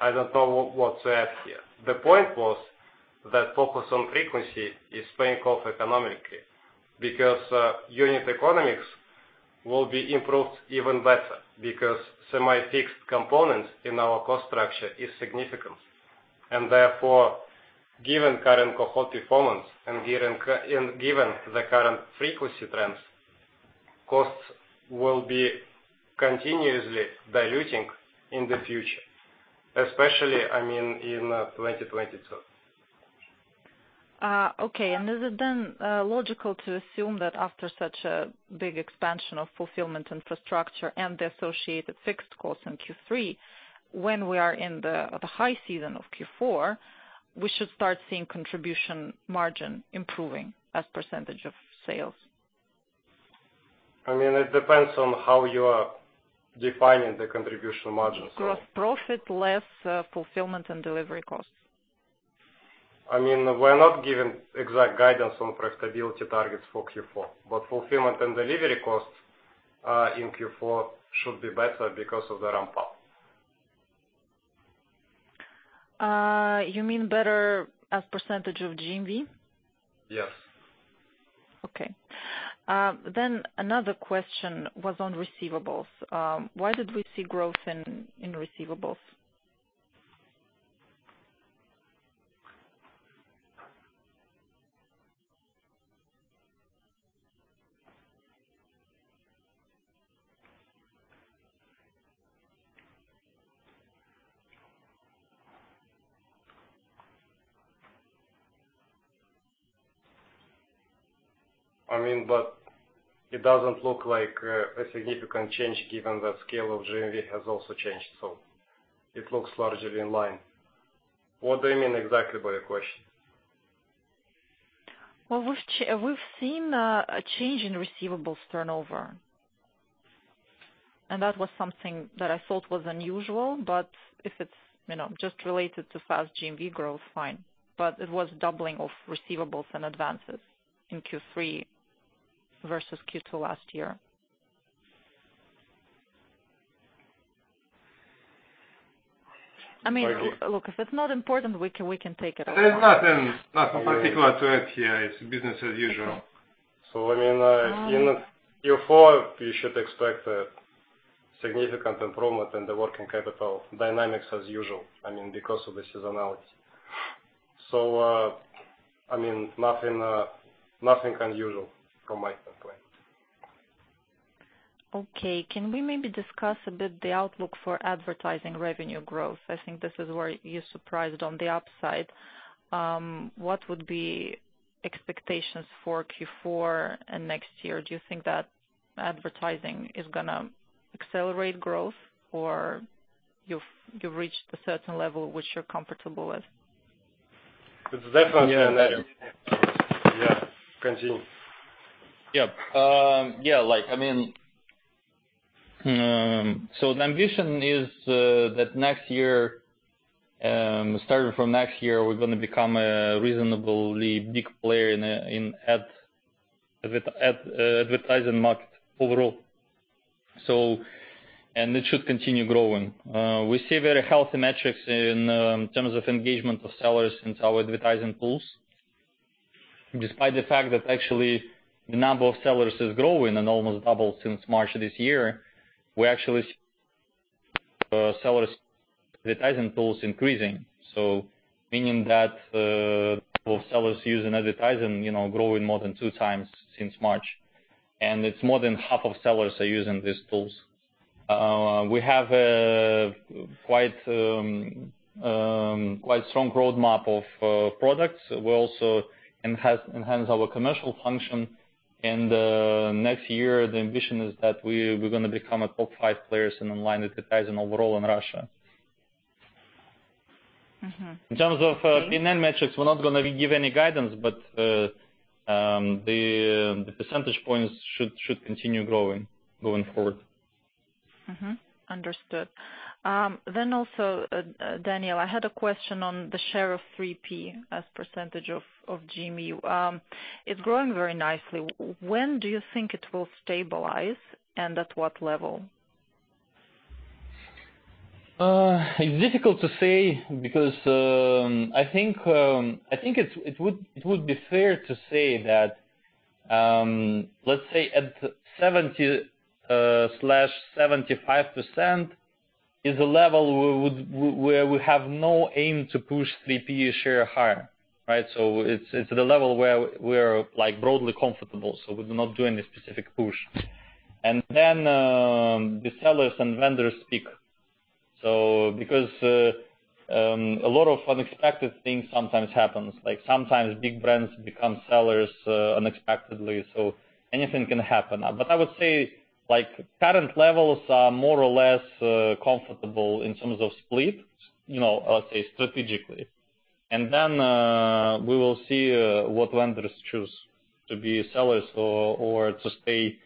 [SPEAKER 5] I don't know what to add here. The point was that focus on frequency is paying off economically because unit economics will be improved even better because semi-fixed component in our cost structure is significant. Therefore, given current cohort performance and the current frequency trends, costs will be continuously diluting in the future, especially, I mean, in 2022.
[SPEAKER 9] Okay. Is it then logical to assume that after such a big expansion of fulfillment infrastructure and the associated fixed costs in Q3, when we are in the high season of Q4, we should start seeing contribution margin improving as percentage of sales?
[SPEAKER 5] I mean, it depends on how you are defining the contribution margin.
[SPEAKER 9] Gross profit less, fulfillment and delivery costs.
[SPEAKER 5] I mean, we're not giving exact guidance on profitability targets for Q4. Fulfillment and delivery costs in Q4 should be better because of the ramp up.
[SPEAKER 9] You mean better as percent of GMV?
[SPEAKER 5] Yes.
[SPEAKER 9] Okay. Another question was on receivables. Why did we see growth in receivables?
[SPEAKER 5] I mean, it doesn't look like a significant change given that scale of GMV has also changed. It looks largely in line. What do you mean exactly by the question?
[SPEAKER 9] Well, we've seen a change in receivables turnover, and that was something that I thought was unusual. If it's just related to fast GMV growth, fine, but it was doubling of receivables and advances in Q3 versus Q2 last year. I mean, look, if it's not important, we can take it off.
[SPEAKER 5] There's nothing particular to it here. It's business as usual. I mean, in Q4, you should expect a significant improvement in the working capital dynamics as usual, I mean, because of the seasonality. I mean, nothing unusual from my standpoint.
[SPEAKER 9] Okay. Can we maybe discuss a bit the outlook for advertising revenue growth? I think this is where you surprised on the upside. What would be expectations for Q4 and next year? Do you think that advertising is gonna accelerate growth or you've reached a certain level which you're comfortable with?
[SPEAKER 5] It's definitely.
[SPEAKER 4] Yeah. Yeah.
[SPEAKER 5] Continue.
[SPEAKER 4] Yeah. Yeah, like, I mean, the ambition is that next year, starting from next year, we're gonna become a reasonably big player in advertising market overall. It should continue growing. We see very healthy metrics in terms of engagement of sellers in our advertising tools. Despite the fact that actually the number of sellers is growing and almost doubled since March of this year, we actually see sellers' advertising tools increasing, so meaning that more sellers using advertising, you know, growing more than two times since March. It's more than half of sellers are using these tools. We have a quite strong roadmap of products. We're also enhance our commercial function. Next year, the ambition is that we're gonna become a top five players in online advertising overall in Russia.
[SPEAKER 9] Mm-hmm.
[SPEAKER 4] In terms of P&L metrics, we're not gonna give any guidance, but the percentage points should continue growing going forward.
[SPEAKER 9] Understood. Also, Daniil, I had a question on the share of 3P as percentage of GMV. It's growing very nicely. When do you think it will stabilize, and at what level?
[SPEAKER 4] It's difficult to say because I think it would be fair to say that let's say at 70%-75% is a level where we have no aim to push 3P share higher, right? It's the level where we're like broadly comfortable, so we're not doing a specific push. The sellers and vendors speak, so because a lot of unexpected things sometimes happens, like sometimes big brands become sellers unexpectedly, so anything can happen. I would say like current levels are more or less comfortable in terms of split, you know, let's say strategically.
[SPEAKER 5] We will see what lenders choose to be sellers or to stay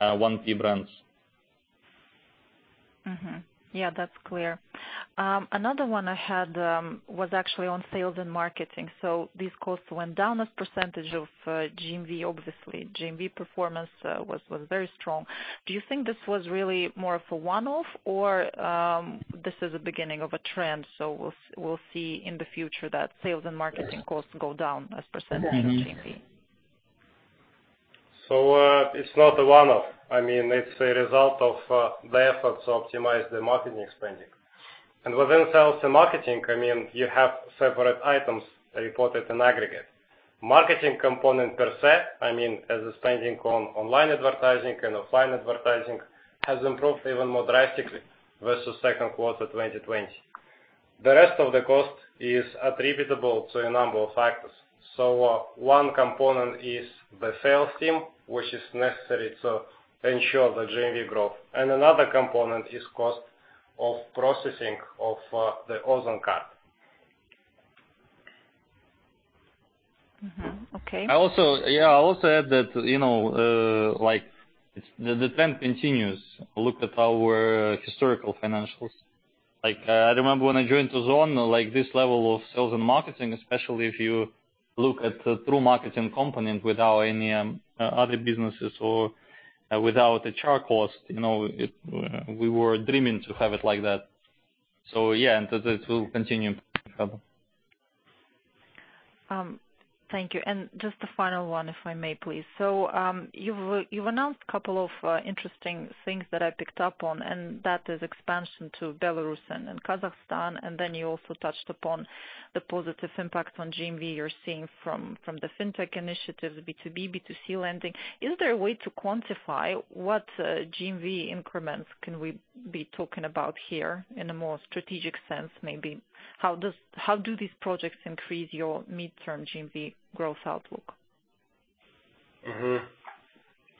[SPEAKER 5] 1P brands.
[SPEAKER 9] Yeah, that's clear. Another one I had was actually on sales and marketing. These costs went down as percentage of GMV obviously. GMV performance was very strong. Do you think this was really more of a one-off or this is a beginning of a trend, so we'll see in the future that sales and marketing costs go down as percentage of GMV?
[SPEAKER 5] It's not a one-off. I mean, it's a result of the efforts to optimize the marketing spending. Within sales and marketing, I mean, you have separate items reported in aggregate. Marketing component per se, I mean, as a spending on online advertising and offline advertising, has improved even more drastically versus second quarter 2020. The rest of the cost is attributable to a number of factors. One component is the sales team, which is necessary to ensure the GMV growth. Another component is cost of processing of the Ozon Card.
[SPEAKER 9] Mm-hmm. Okay.
[SPEAKER 5] I'll also add that, you know, like the trend continues. Look at our historical financials. Like, I remember when I joined to Ozon, like this level of sales and marketing, especially if you look at the true marketing component without any other businesses or without the charge cost, you know, it, we were dreaming to have it like that. Yeah, and this will continue.
[SPEAKER 9] Thank you. Just a final one, if I may, please. You've announced a couple of interesting things that I picked up on, and that is expansion to Belarus and Kazakhstan, and then you also touched upon the positive impact on GMV you're seeing from the fintech initiatives, B2B, B2C lending. Is there a way to quantify what GMV increments can we be talking about here in a more strategic sense maybe? How do these projects increase your midterm GMV growth outlook?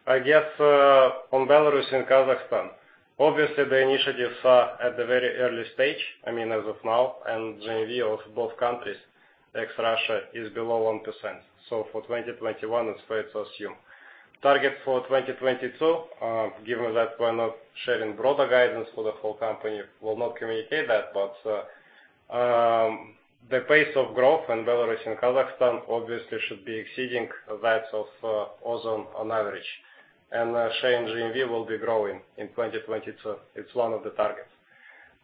[SPEAKER 5] I guess on Belarus and Kazakhstan, obviously the initiatives are at the very early stage, I mean, as of now, and GMV of both countries, ex Russia, is below 1%. For 2021 it's fair to assume. Target for 2022, given that we're not sharing broader guidance for the whole company, we'll not communicate that. The pace of growth in Belarus and Kazakhstan obviously should be exceeding that of Ozon on average. Share in GMV will be growing in 2022. It's one of the targets.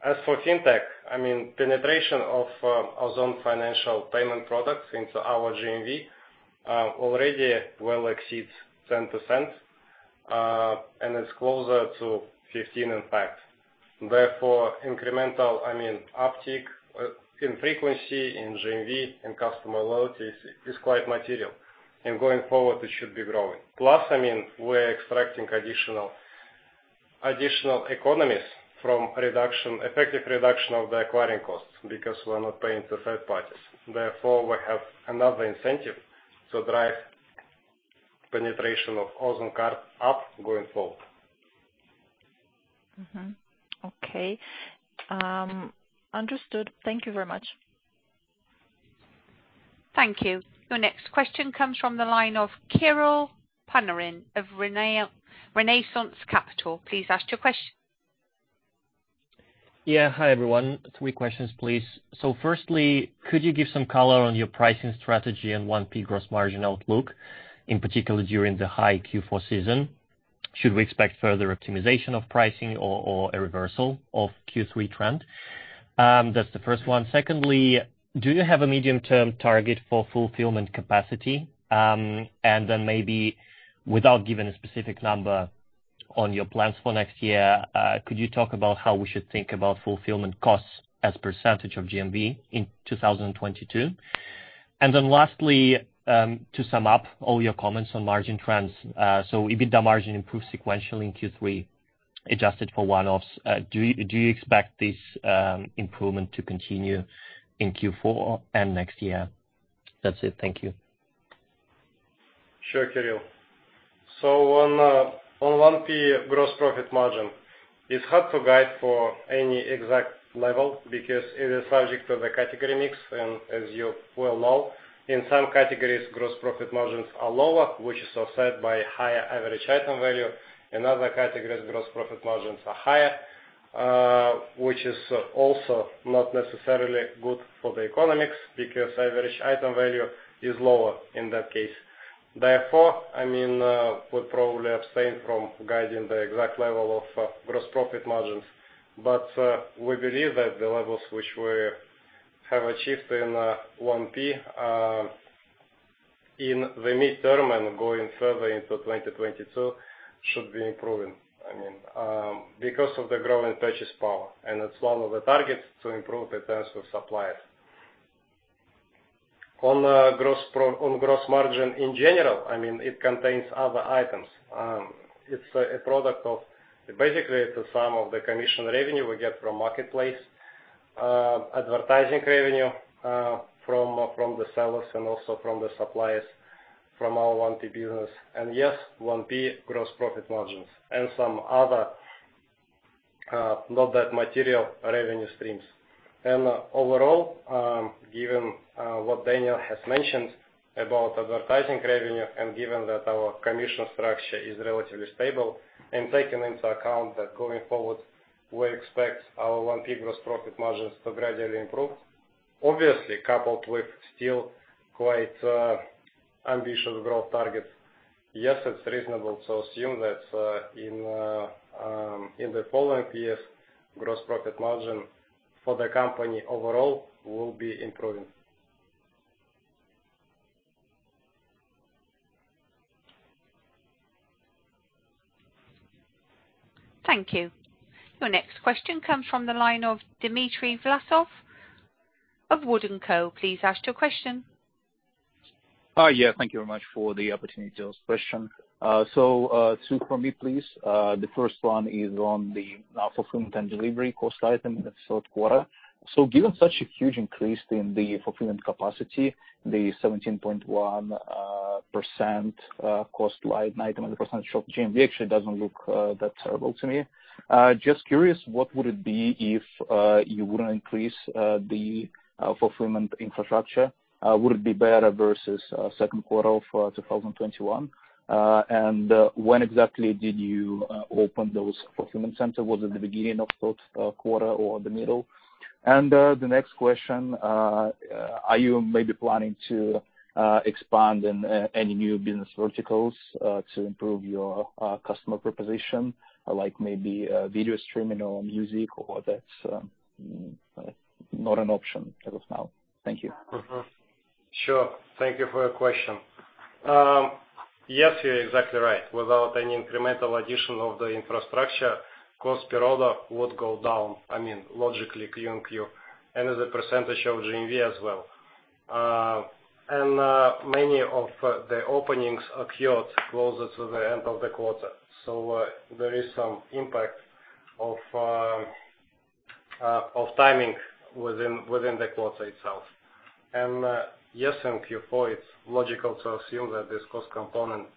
[SPEAKER 5] As for fintech, I mean, penetration of Ozon financial payment products into our GMV already well exceeds 10%, and it's closer to 15% in fact. Therefore, incremental, I mean, uptick in frequency, in GMV, in customer loyalty is quite material, and going forward, it should be growing. Plus, I mean, we're extracting additional economies from effective reduction of the acquiring costs because we're not paying to third parties. Therefore, we have another incentive to drive penetration of Ozon Card up going forward.
[SPEAKER 9] Mm-hmm. Okay. Understood. Thank you very much.
[SPEAKER 1] Thank you. Your next question comes from the line of Kirill Panarin of Renaissance Capital. Please ask your question.
[SPEAKER 10] Yeah. Hi, everyone. Three questions, please. Firstly, could you give some color on your pricing strategy and 1P gross margin outlook, in particular during the high Q4 season? Should we expect further optimization of pricing or a reversal of Q3 trend? That's the first one. Secondly, do you have a medium-term target for fulfillment capacity? And then maybe without giving a specific number on your plans for next year, could you talk about how we should think about fulfillment costs as percentage of GMV in 2022? Then lastly, to sum up all your comments on margin trends. EBITDA margin improved sequentially in Q3, adjusted for one-offs. Do you expect this improvement to continue in Q4 and next year? That's it. Thank you.
[SPEAKER 5] Sure, Kirill. On 1P gross profit margin, it's hard to guide for any exact level because it is subject to the category mix. As you well know, in some categories, gross profit margins are lower, which is offset by higher average item value. In other categories, gross profit margins are higher, which is also not necessarily good for the economics because average item value is lower in that case. Therefore, I mean, we'll probably abstain from guiding the exact level of gross profit margins. We believe that the levels which we have achieved in 1P, in the midterm and going further into 2022 should be improving, I mean, because of the growing purchase power, and it's one of the targets to improve the terms with suppliers. On gross margin in general, I mean, it contains other items. It's a product of. Basically it's the sum of the commission revenue we get from marketplace, advertising revenue, from the sellers and also from the suppliers, from our 1P business. Yes, 1P gross profit margins and some other, not that material revenue streams. Overall, given what Daniil has mentioned about advertising revenue and given that our commission structure is relatively stable and taking into account that going forward, we expect our 1P gross profit margins to gradually improve, obviously coupled with still quite, ambitious growth targets. Yes, it's reasonable to assume that, in the following years, gross profit margin for the company overall will be improving.
[SPEAKER 1] Thank you. Your next question comes from the line of Dmitry Vlasov of Wood & Co. Please ask your question.
[SPEAKER 11] Thank you very much for the opportunity to ask question. Two for me, please. The first one is on the fulfillment and delivery cost item in the third quarter. Given such a huge increase in the fulfillment capacity, the 17.1% cost line item on the percentage of GMV actually doesn't look that terrible to me. Just curious, what would it be if you wouldn't increase the fulfillment infrastructure? Would it be better versus second quarter of 2021? And when exactly did you open those fulfillment centers? Was it the beginning of third quarter or the middle? The next question, are you maybe planning to expand in any new business verticals to improve your customer proposition, like maybe video streaming or music, or that's not an option as of now? Thank you.
[SPEAKER 5] Mm-hmm. Sure. Thank you for your question. Yes, you're exactly right. Without any incremental addition of the infrastructure, cost per order would go down, I mean, logically Q-on-Q. As a percentage of GMV as well. Many of the openings occurred closer to the end of the quarter. There is some impact of timing within the quarter itself. Yes, in Q4, it's logical to assume that this cost component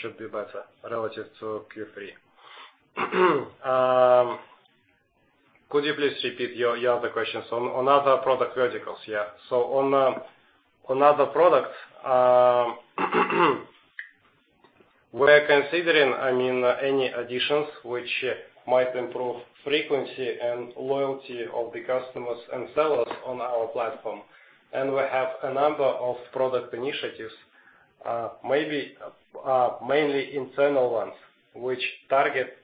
[SPEAKER 5] should be better relative to Q3. Could you please repeat your other question on other product verticals? Yeah. On other products, we're considering, I mean, any additions which might improve frequency and loyalty of the customers and sellers on our platform. We have a number of product initiatives, maybe, mainly internal ones, which target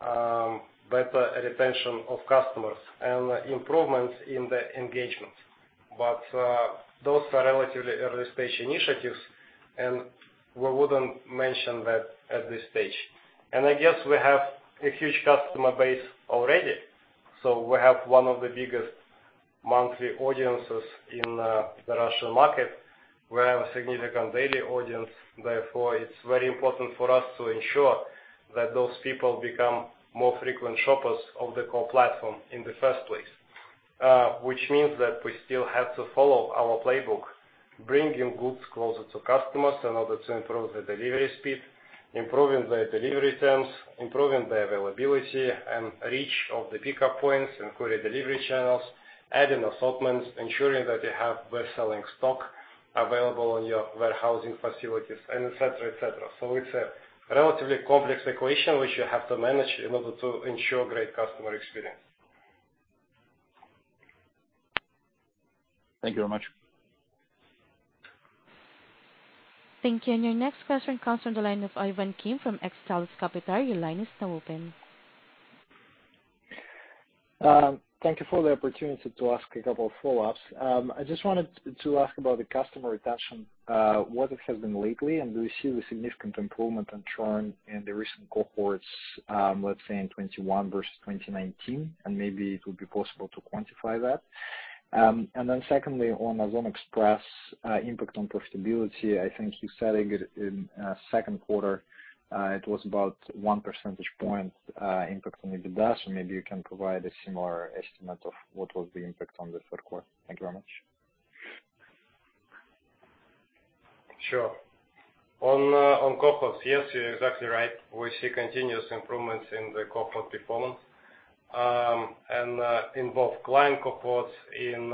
[SPEAKER 5] better retention of customers and improvements in the engagement. Those are relatively early stage initiatives, and we wouldn't mention that at this stage. I guess we have a huge customer base already. We have one of the biggest monthly audiences in the Russian market. We have a significant daily audience. Therefore, it's very important for us to ensure that those people become more frequent shoppers of the core platform in the first place. Which means that we still have to follow our playbook, bringing goods closer to customers in order to improve the delivery speed, improving the delivery terms, improving the availability and reach of the pickup points, including delivery channels, adding assortments, ensuring that you have best-selling stock available on your warehousing facilities, and et cetera, et cetera. It's a relatively complex equation which you have to manage in order to ensure great customer experience.
[SPEAKER 11] Thank you very much.
[SPEAKER 1] Thank you. Your next question comes from the line of Ivan Kim from Xtellus Capital. Your line is now open.
[SPEAKER 8] Thank you for the opportunity to ask a couple of follow-ups. I just wanted to ask about the customer retention, what it has been lately, and do we see the significant improvement on churn in the recent cohorts, let's say in 2021 versus 2019? Maybe it would be possible to quantify that. Secondly, on Ozon Express impact on profitability, I think you said it in second quarter, it was about one percentage point impact on EBITDA. Maybe you can provide a similar estimate of what was the impact on the third quarter. Thank you very much.
[SPEAKER 5] Sure. On cohorts, yes, you're exactly right. We see continuous improvements in the cohort performance in both client cohorts, in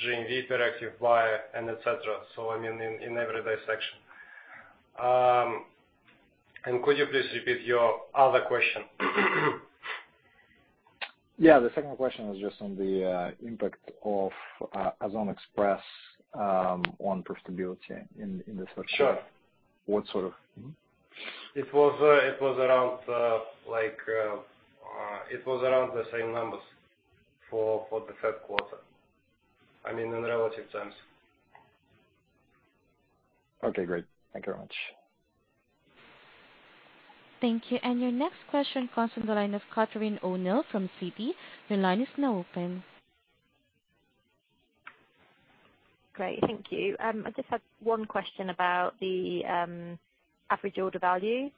[SPEAKER 5] GMV per active buyer and et cetera. I mean in every section. Could you please repeat your other question?
[SPEAKER 8] Yeah. The second question was just on the impact of Ozon Express on profitability in the third quarter.
[SPEAKER 5] Sure.
[SPEAKER 8] What sort of?
[SPEAKER 5] It was around the same numbers for the third quarter, I mean, in relative terms.
[SPEAKER 8] Okay, great. Thank you very much.
[SPEAKER 1] Thank you. Your next question comes from the line of Catherine O'Neill from Citi. Your line is now open.
[SPEAKER 12] Great. Thank you. I just had one question about the average order value,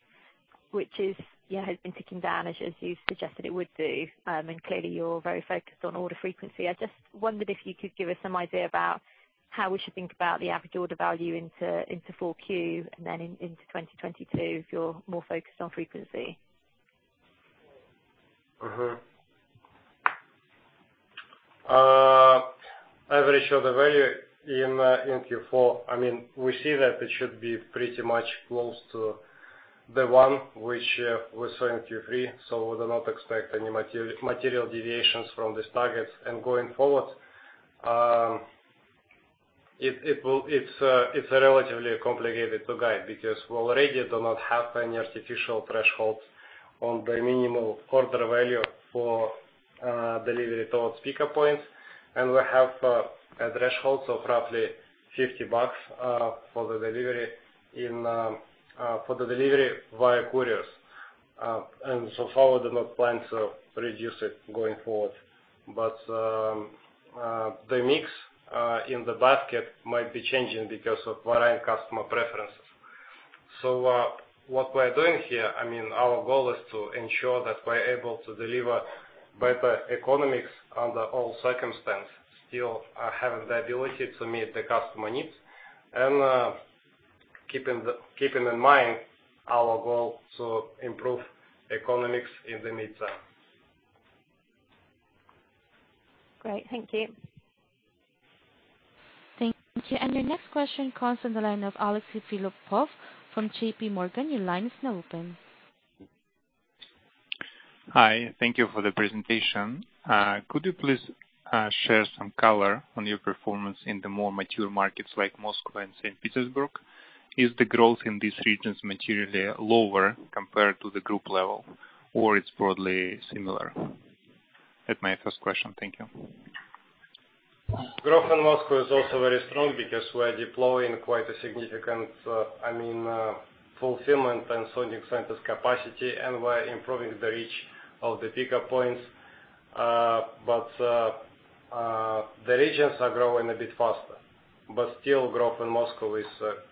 [SPEAKER 12] which is, yeah, has been ticking down as you suggested it would do. Clearly you're very focused on order frequency. I just wondered if you could give us some idea about how we should think about the average order value into 4Q and then into 2022 if you're more focused on frequency.
[SPEAKER 5] Average order value in Q4. I mean, we see that it should be pretty much close to the one which we saw in Q3, so we do not expect any material deviations from these targets. Going forward, it's relatively complicated to guide because we already do not have any artificial thresholds on the minimal order value for delivery towards pickup points. We have a threshold of roughly $50 for the delivery via couriers. So far we do not plan to reduce it going forward. The mix in the basket might be changing because of varying customer preferences. What we're doing here, I mean, our goal is to ensure that we're able to deliver better economics under all circumstances, still having the ability to meet the customer needs and keeping in mind our goal to improve economics in the mid-term.
[SPEAKER 12] Great. Thank you.
[SPEAKER 1] Thank you. Your next question comes from the line of Alexey Philippov from JPMorgan. Your line is now open.
[SPEAKER 13] Hi. Thank you for the presentation. Could you please share some color on your performance in the more mature markets like Moscow and St. Petersburg? Is the growth in these regions materially lower compared to the group level, or it's broadly similar? That's my first question. Thank you.
[SPEAKER 5] Growth in Moscow is also very strong because we're deploying quite a significant fulfillment and sorting centers capacity, and we're improving the reach of the pickup points. The regions are growing a bit faster, but still growth in Moscow is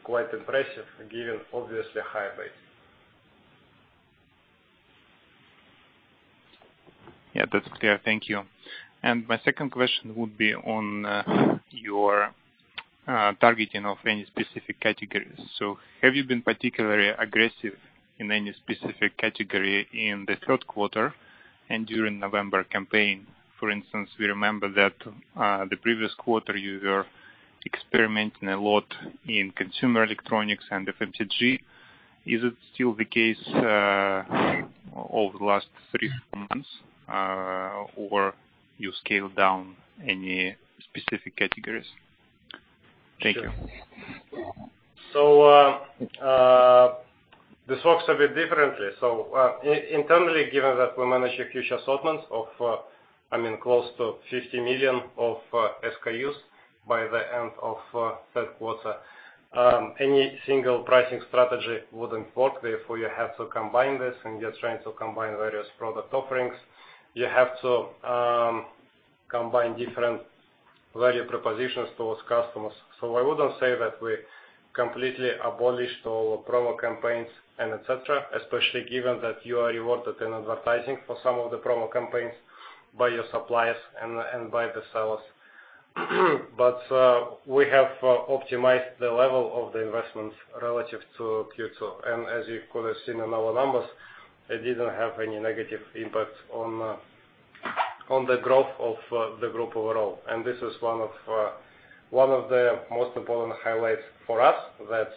[SPEAKER 5] quite impressive given obviously higher base.
[SPEAKER 13] Yeah, that's clear. Thank you. My second question would be on your targeting of any specific categories. So have you been particularly aggressive in any specific category in the third quarter and during November campaign? For instance, we remember that the previous quarter you were experimenting a lot in consumer electronics and FMCG. Is it still the case over the last three, four months or you scaled down any specific categories? Thank you.
[SPEAKER 5] This works a bit differently. Internally, given that we manage a huge assortment of, I mean, close to 50 million SKUs by the end of third quarter, any single pricing strategy wouldn't work. Therefore, you have to combine this, and you're trying to combine various product offerings. You have to combine different value propositions towards customers. I wouldn't say that we completely abolished all promo campaigns and et cetera, especially given that you are rewarded in advertising for some of the promo campaigns by your suppliers and by the sellers. We have optimized the level of the investments relative to Q2. As you could have seen in our numbers, it didn't have any negative impact on the growth of the group overall. This is one of the most important highlights for us, that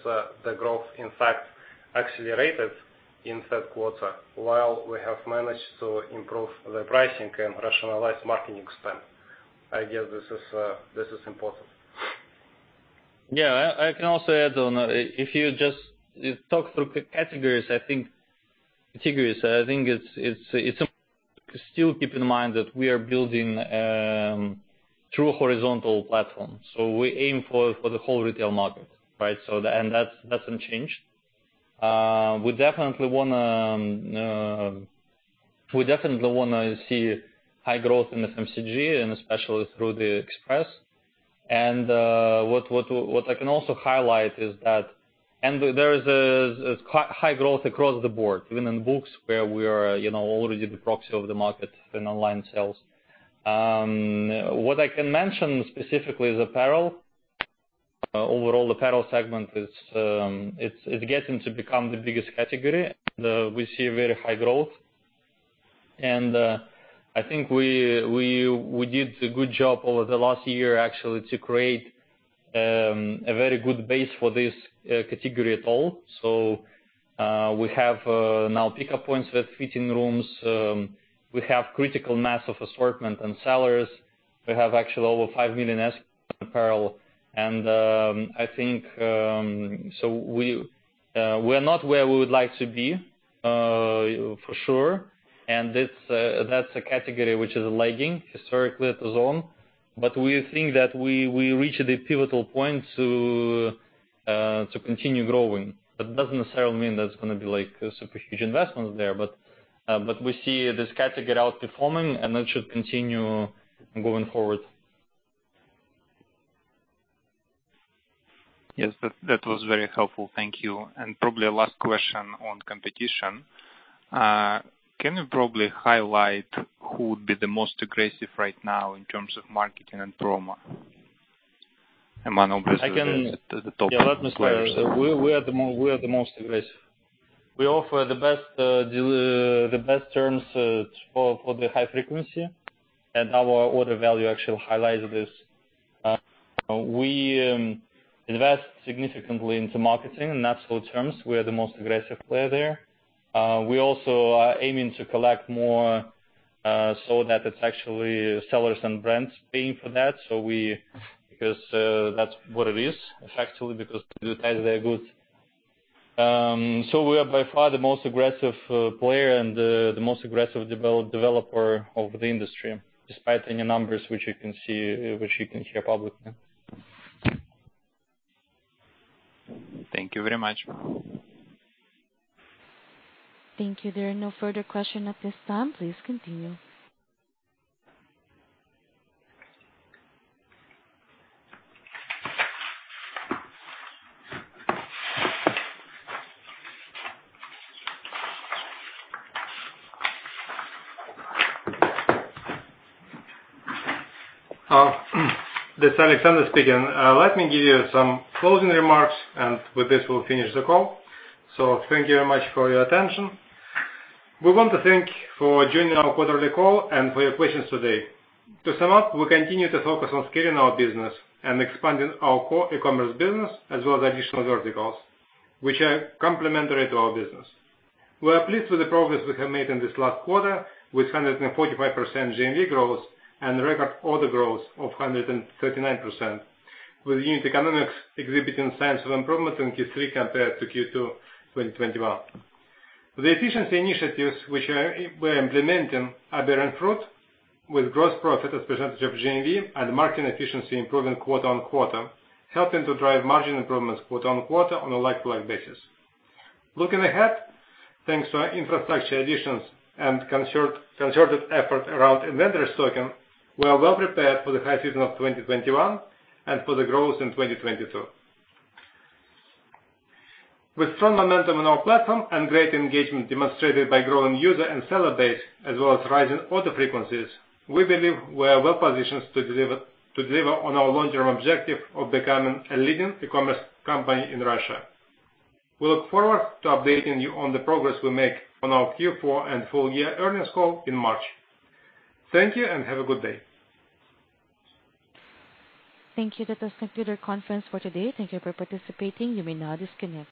[SPEAKER 5] the growth in fact accelerated in third quarter while we have managed to improve the pricing and rationalize marketing spend. I guess this is important.
[SPEAKER 4] Yeah. I can also add on. If you just talk through categories, I think it's important to still keep in mind that we are building through a horizontal platform. We aim for the whole retail market, right? That doesn't change. We definitely wanna see high growth in FMCG and especially through the express. What I can also highlight is that there is quite high growth across the board, even in books where we are, you know, already the proxy of the market in online sales. What I can mention specifically is apparel. Overall apparel segment is getting to become the biggest category. We see very high growth. I think we did a good job over the last year actually to create a very good base for this category at all. We have now pickup points with fitting rooms. We have critical mass of assortment and sellers. We have actually over 5 million SKUs apparel. I think we're not where we would like to be for sure. That's a category which is lagging historically at Ozon. We think that we reach the pivotal point to continue growing. That doesn't necessarily mean that it's gonna be like super huge investments there. We see this category outperforming and that should continue going forward.
[SPEAKER 13] Yes, that was very helpful. Thank you. Probably a last question on competition. Can you probably highlight who would be the most aggressive right now in terms of marketing and promo? Ozon obviously is at the top.
[SPEAKER 4] Yeah, let me start. We're the most aggressive. We offer the best terms for the high frequency and our order value actually highlights this. We invest significantly into marketing, and that's good terms. We are the most aggressive player there. We also are aiming to collect more, so that it's actually sellers and brands paying for that. Because that's what it is effectively because to advertise their goods. We are by far the most aggressive player and the most aggressive developer of the industry, despite any numbers which you can see, which you can hear publicly.
[SPEAKER 13] Thank you very much.
[SPEAKER 1] Thank you. There are no further questions at this time. Please continue.
[SPEAKER 3] This is Alexander speaking. Let me give you some closing remarks, and with this we'll finish the call. Thank you very much for your attention. We want to thank you for joining our quarterly call and for your questions today. To sum up, we continue to focus on scaling our business and expanding our core e-commerce business as well as additional verticals which are complementary to our business. We are pleased with the progress we have made in this last quarter with 145% GMV growth and record order growth of 139%, with unit economics exhibiting signs of improvement in Q3 compared to Q2 2021. The efficiency initiatives which we are implementing are bearing fruit with gross profit as percentage of GMV and marketing efficiency improving quarter-on-quarter, helping to drive margin improvements quarter-on-quarter on a like-for-like basis. Looking ahead, thanks to our infrastructure additions and concerted effort around inventory stocking, we are well prepared for the high season of 2021 and for the growth in 2022. With strong momentum in our platform and great engagement demonstrated by growing user and seller base as well as rising order frequencies, we believe we are well positioned to deliver on our long-term objective of becoming a leading e-commerce company in Russia. We look forward to updating you on the progress we make on our Q4 and full year earnings call in March. Thank you and have a good day.
[SPEAKER 1] Thank you. That concludes the conference for today. Thank you for participating. You may now disconnect.